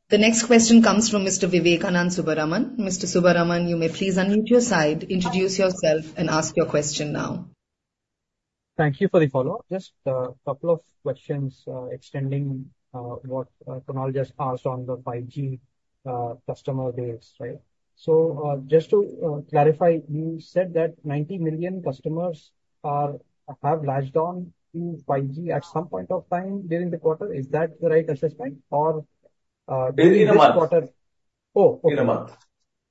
The next question comes from Mr. Vivekanand Subbaraman. Mr. Subbaraman, you may please unmute your side, introduce yourself, and ask your question now. Thank you for the follow-up. Just a couple of questions extending what Kunal just asked on the 5G customer base, right? So just to clarify, you said that 90 million customers have latched on to 5G at some point of time during the quarter. Is that the right assessment? Or during the month? In the month. Oh, okay. In a month.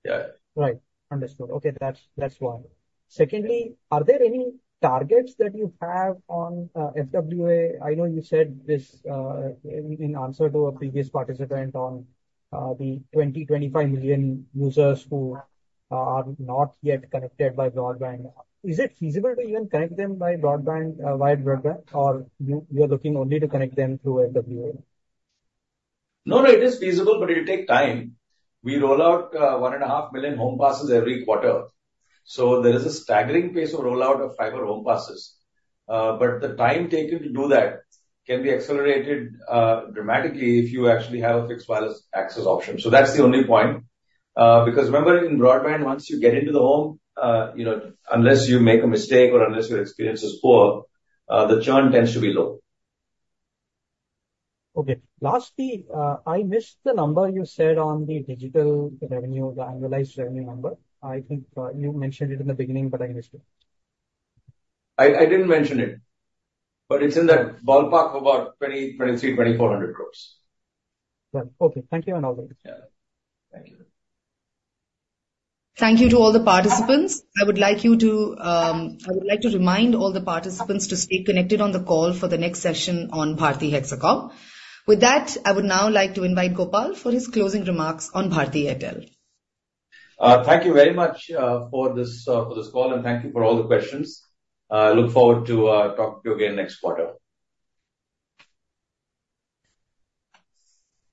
Yeah. Right. Understood. Okay. That's why. Secondly, are there any targets that you have on FWA? I know you said this in answer to a previous participant on the 20-25 million users who are not yet connected by broadband. Is it feasible to even connect them via broadband, or you are looking only to connect them through FWA? No, no, it is feasible, but it will take time. We roll out 1.5 million home passes every quarter. So there is a staggering pace of rollout of fiber home passes. But the time taken to do that can be accelerated dramatically if you actually have a fixed wireless access option. So that's the only point. Because remember, in broadband, once you get into the home, unless you make a mistake or unless your experience is poor, the churn tends to be low. Okay. Lastly, I missed the number you said on the digital revenue, the annualized revenue number. I think you mentioned it in the beginning, but I missed it. I didn't mention it. But it's in that ballpark of about 2,300-2,400 crores. Okay. Thank you, Tanvi. Yeah. Thank you. Thank you to all the participants. I would like to remind all the participants to stay connected on the call for the next session on Bharti Hexacom. With that, I would now like to invite Gopal for his closing remarks on Bharti Airtel. Thank you very much for this call, and thank you for all the questions. I look forward to talking to you again next quarter.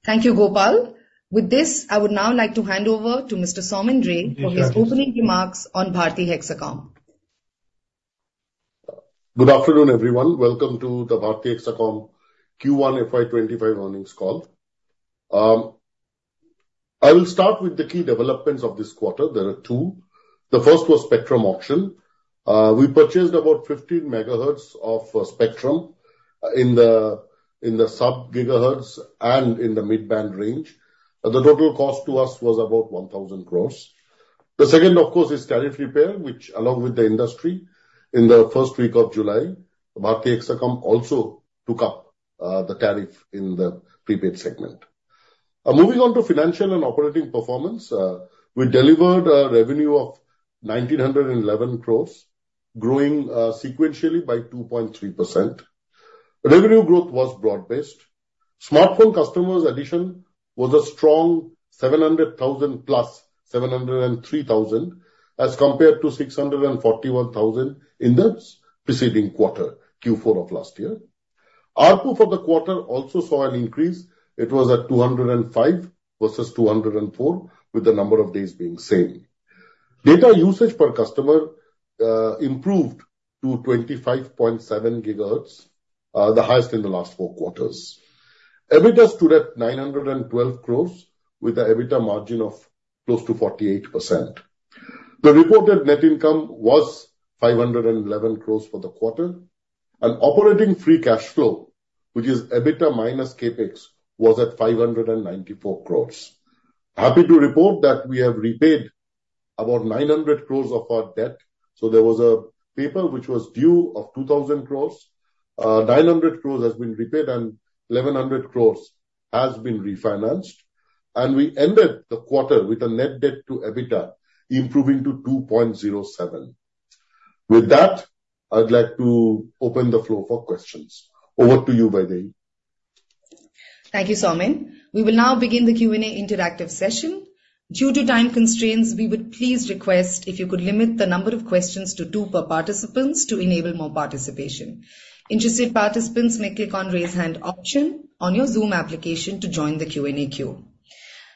Thank you, Gopal. With this, I would now like to hand over to Mr. Soumen Ray for his opening remarks on Bharti Hexacom. Good afternoon, everyone. Welcome to the Bharti Hexacom Q1 FY25 earnings call. I will start with the key developments of this quarter. There are two. The first was spectrum auction. We purchased about 15 MHz of spectrum in the sub-gigahertz and in the mid-band range. The total cost to us was about 1,000. The second, of course, is tariff repair, which, along with the industry, in the first week of July, Bharti Hexacom also took up the tariff in the prepaid segment. Moving on to financial and operating performance, we delivered a revenue of 1,911, growing sequentially by 2.3%. Revenue growth was broad-based. Smartphone customers' addition was a strong 700,000 plus 703,000 as compared to 641,000 in the preceding quarter, Q4 of last year. RPU for the quarter also saw an increase. It was at 205 versus 204, with the number of days being the same. Data usage per customer improved to 25.7 GB, the highest in the last four quarters. EBITDA stood at 912 with an EBITDA margin of close to 48%. The reported net income was 511 for the quarter. And operating free cash flow, which is EBITDA minus capex, was at 594. Happy to report that we have repaid about 900 of our debt. So there was a paper which was 2,000. 900 has been repaid, and 1,100 has been refinanced. And we ended the quarter with a net debt to EBITDA improving to 2.07. With that, I'd like to open the floor for questions. Over to you, Vidhi. Thank you, Soumen. We will now begin the Q&A interactive session. Due to time constraints, we would please request if you could limit the number of questions to two per participants to enable more participation. Interested participants may click on the raise hand option on your Zoom application to join the Q&A queue.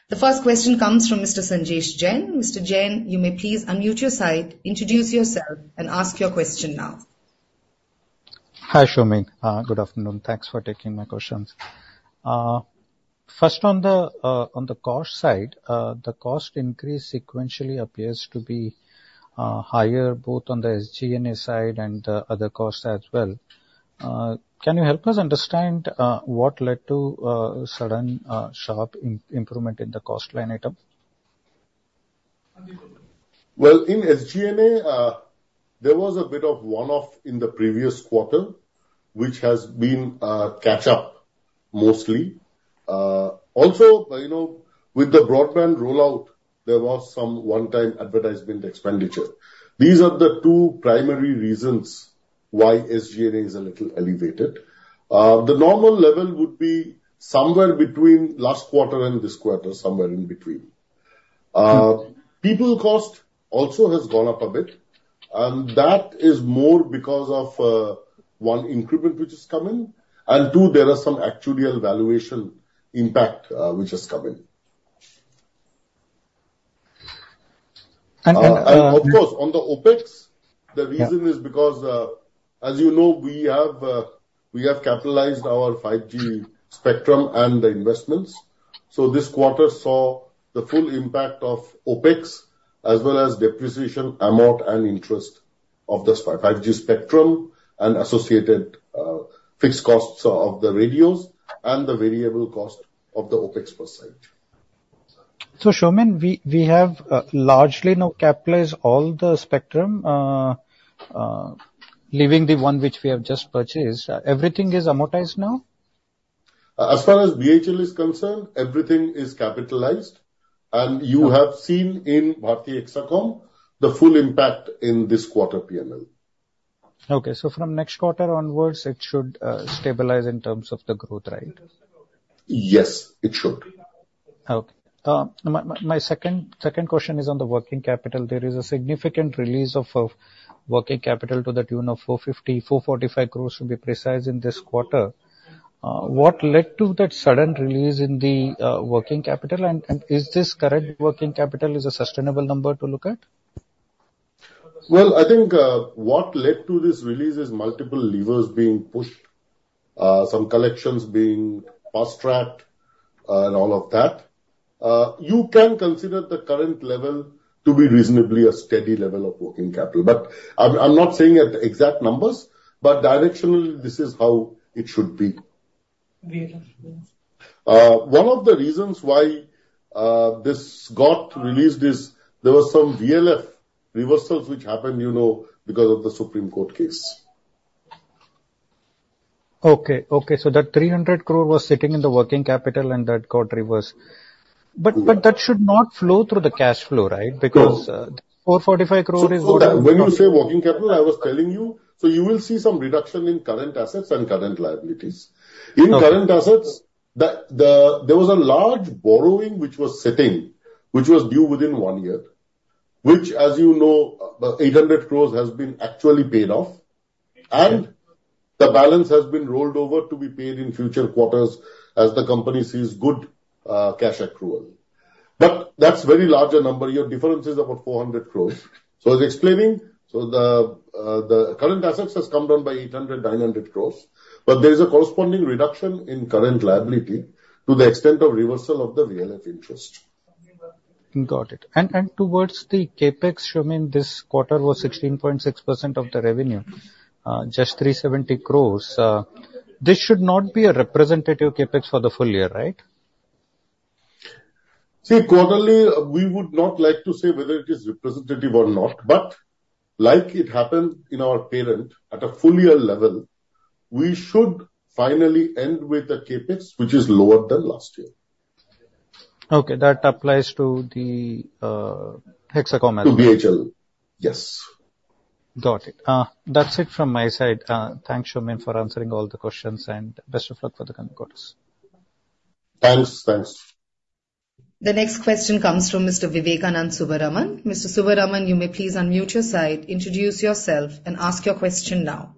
The first question comes from Mr. Sanjesh Jain. Mr. Jain, you may please unmute your side, introduce yourself, and ask your question now. Hi, Soumen. Good afternoon. Thanks for taking my questions. First, on the cost side, the cost increase sequentially appears to be higher both on the SG&A side and the other cost side as well. Can you help us understand what led to a sudden, sharp improvement in the cost line item? Well, in SG&A, there was a bit of one-off in the previous quarter, which has been a catch-up mostly. Also, with the broadband rollout, there was some one-time advertisement expenditure. These are the two primary reasons why SG&A is a little elevated. The normal level would be somewhere between last quarter and this quarter, somewhere in between. People cost also has gone up a bit. And that is more because of, one, increment which has come in, and two, there are some actuarial valuation impact which has come in. And of course, on the OpEx, the reason is because, as you know, we have capitalized our 5G spectrum and the investments. So this quarter saw the full impact of OpEx as well as depreciation amount and interest of the 5G spectrum and associated fixed costs of the radios and the variable cost of the OpEx per site. So, Soumen, we have largely now capitalized all the spectrum, leaving the one which we have just purchased. Everything is amortized now? As far as BHL is concerned, everything is capitalized. You have seen in Bharti Hexacom the full impact in this quarter P&L. Okay. So from next quarter onwards, it should stabilize in terms of the growth, right? Yes, it should. Okay. My second question is on the working capital. There is a significant release of working capital to the tune of ₹445 crores to be precise in this quarter. What led to that sudden release in the working capital? And is this current working capital a sustainable number to look at? Well, I think what led to this release is multiple levers being pushed, some collections being fast-tracked, and all of that. You can consider the current level to be reasonably a steady level of working capital. But I'm not saying the exact numbers, but directionally, this is how it should be. One of the reasons why this got released is there were some LF reversals which happened because of the Supreme Court case. Okay. Okay. So that 300 crore was sitting in the working capital, and that got reversed. But that should not flow through the cash flow, right? Because 445 crore is what I'm saying. When you say working capital, I was telling you, so you will see some reduction in current assets and current liabilities. In current assets, there was a large borrowing which was sitting, which was due within one year, which, as you know, 800 crores has been actually paid off. And the balance has been rolled over to be paid in future quarters as the company sees good cash accrual. But that's a very larger number. Your difference is about 400 crores. So it's explaining. So the current assets have come down by 800-900 crores. But there is a corresponding reduction in current liability to the extent of reversal of the LF interest. Got it. And towards the capex, Soumen, this quarter was 16.6% of the revenue, just 370 crores. This should not be a representative capex for the full year, right? See, quarterly, we would not like to say whether it is representative or not. But like it happened in our parent at a full year level, we should finally end with a capex which is lower than last year. Okay. That applies to the Hexacom as well? To BHL. Yes. Got it. That's it from my side. Thanks, Soumen, for answering all the questions. And best of luck for the coming quarters. Thanks. Thanks. The next question comes from Mr. Vivekanand Subbaraman. Mr. Subbaraman, you may please unmute your side, introduce yourself, and ask your question now.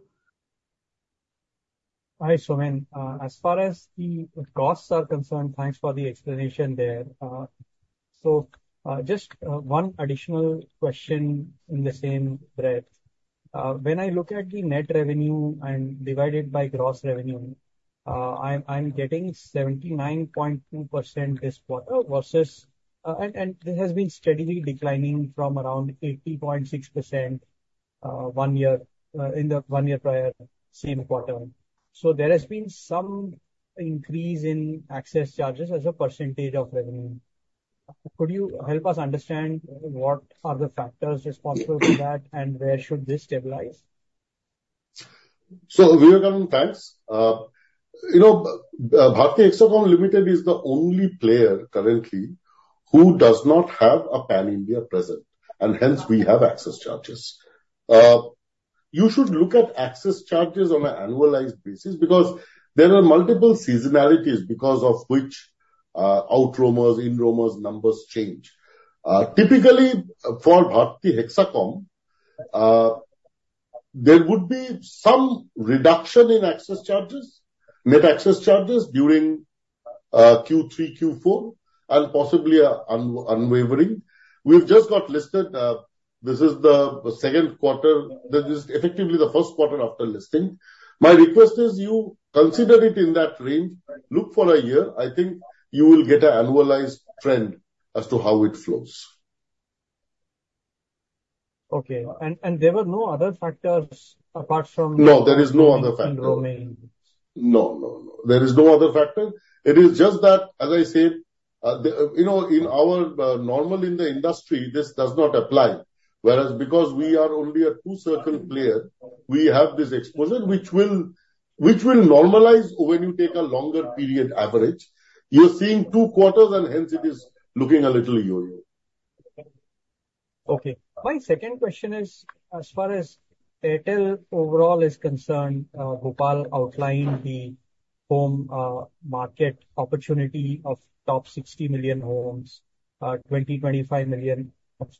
Hi, Soumen. As far as the costs are concerned, thanks for the explanation there. So just one additional question in the same breath. When I look at the net revenue and divide it by gross revenue, I'm getting 79.2% this quarter versus and this has been steadily declining from around 80.6% one year in the one year prior, same quarter. So there has been some increase in access charges as a percentage of revenue. Could you help us understand what are the factors responsible for that, and where should this stabilize? So, Vivekanand, thanks. Bharti Hexacom Limited is the only player currently who does not have a Pan India presence, and hence we have access charges. You should look at access charges on an annualized basis because there are multiple seasonalities because of which outroamers, inroamers, numbers change. Typically, for Bharti Hexacom, there would be some reduction in access charges, net access charges during Q3, Q4, and possibly Q1. We've just got listed. This is the second quarter. This is effectively the first quarter after listing. My request is you consider it in that range, look for a year. I think you will get an annualized trend as to how it flows. Okay. And there were no other factors apart from inroaming? No, there is no other factor. No, no, no. There is no other factor. It is just that, as I said, in our normal in the industry, this does not apply. Whereas because we are only a two-circle player, we have this exposure which will normalize when you take a longer period average. You're seeing two quarters, and hence it is looking a little yo-yo. Okay. My second question is, as far as Airtel overall is concerned, Gopal outlined the home market opportunity of top 60 million homes, 20-25 million of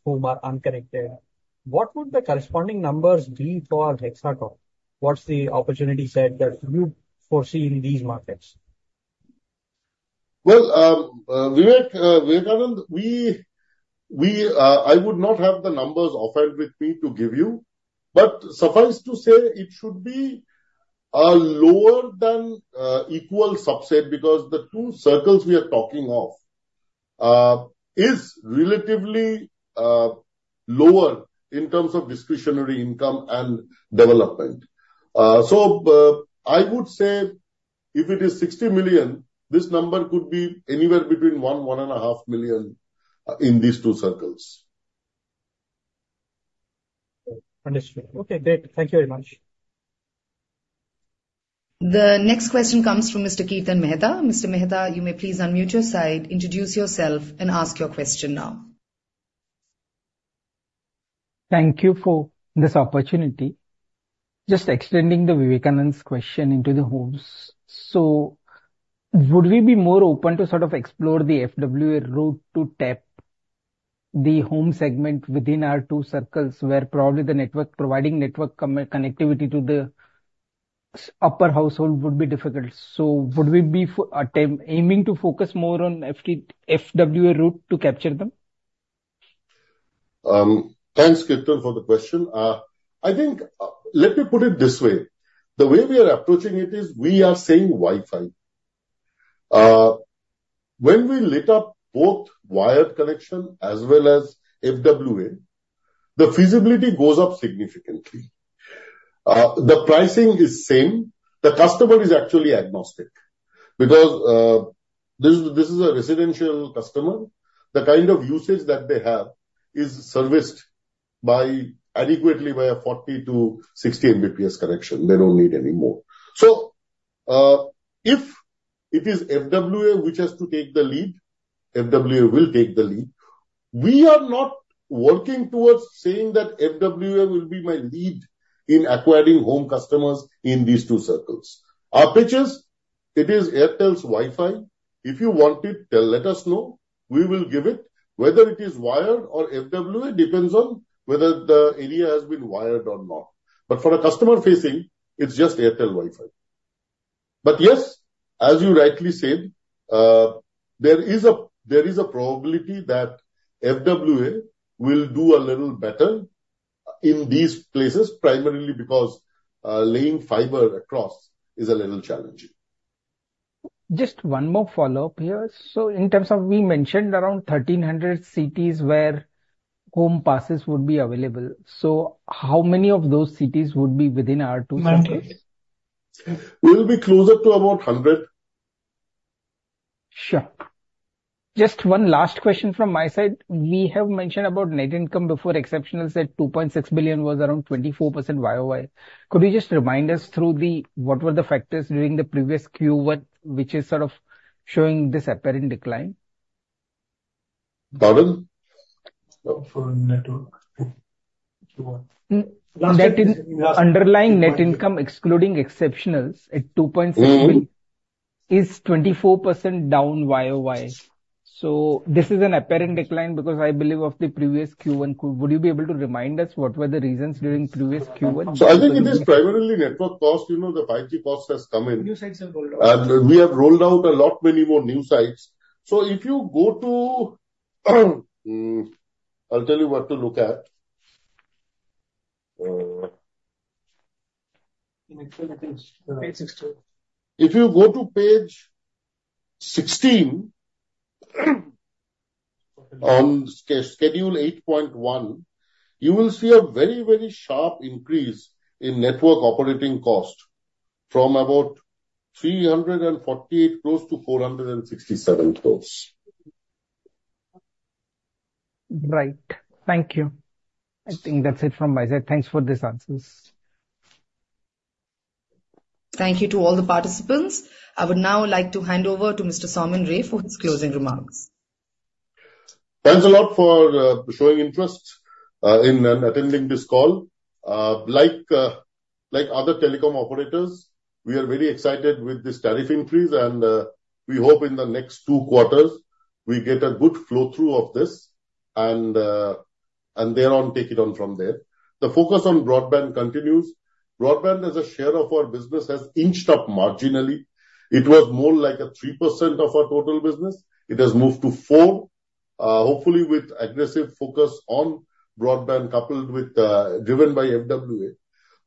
whom are unconnected. What would the corresponding numbers be for Hexacom? What's the opportunity set that you foresee in these markets? Well, Vivekanand, I would not have the numbers offhand with me to give you. But suffice to say, it should be lower than equal subset because the two circles we are talking of is relatively lower in terms of discretionary income and development. So I would say if it is 60 million, this number could be anywhere between 1-1.5 million in these two circles. Understood. Okay. Great. Thank you very much. The next question comes from Mr. Kirtan Mehta. Mr. Mehta, you may please unmute your side, introduce yourself, and ask your question now. Thank you for this opportunity. Just extending Vivekanand's question into the homes. So would we be more open to sort of explore the FWA route to tap the home segment within our two circles where probably the network providing network connectivity to the upper household would be difficult? So would we be aiming to focus more on FWA route to capture them? Thanks, Kirtan, for the question. I think let me put it this way. The way we are approaching it is we are saying Wi-Fi. When we lit up both wired connection as well as FWA, the feasibility goes up significantly. The pricing is same. The customer is actually agnostic because this is a residential customer. The kind of usage that they have is serviced adequately by a 40-60 Mbps connection. They don't need any more. So if it is FWA which has to take the lead, FWA will take the lead. We are not working towards saying that FWA will be my lead in acquiring home customers in these two circles. Our pitch is it is Airtel's Wi-Fi. If you want it, let us know. We will give it. Whether it is wired or FWA depends on whether the area has been wired or not. But for a customer facing, it's just Airtel Wi-Fi. But yes, as you rightly said, there is a probability that FWA will do a little better in these places, primarily because laying fiber across is a little challenging. Just one more follow-up here. So in terms of we mentioned around 1,300 cities where home passes would be available. So how many of those cities would be within our two circles? We will be closer to about 100. Sure. Just one last question from my side. We have mentioned about net income before exceptionals was 2.6 billion was around 24% YOY. Could you just remind us through what were the factors during the previous Q1, which is sort of showing this apparent decline? Pardon? Underlying net income excluding exceptionals at 2.6 billion is 24% down YOY. So this is an apparent decline because I believe of the previous Q1. Would you be able to remind us what were the reasons during previous Q1? So I think it is primarily network cost. The 5G cost has come in. We have rolled out a lot many more new sites. So if you go to I'll tell you what to look at. If you go to page 16 on schedule 8.1, you will see a very, very sharp increase in network operating cost from about 348 crores to 467 crores. Right. Thank you. I think that's it from my side. Thanks for these answers. Thank you to all the participants. I would now like to hand over to Mr. Soumen Ray for his closing remarks. Thanks a lot for showing interest in attending this call. Like other telecom operators, we are very excited with this tariff increase, and we hope in the next two quarters we get a good flow-through of this and thereon take it on from there. The focus on broadband continues. Broadband as a share of our business has inched up marginally. It was more like 3% of our total business. It has moved to 4%. Hopefully, with aggressive focus on broadband coupled with driven by FWA,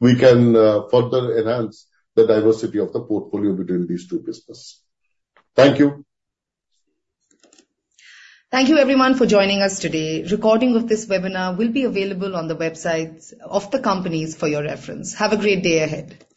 we can further enhance the diversity of the portfolio between these two businesses. Thank you. Thank you, everyone, for joining us today. Recording of this webinar will be available on the websites of the companies for your reference. Have a great day ahead.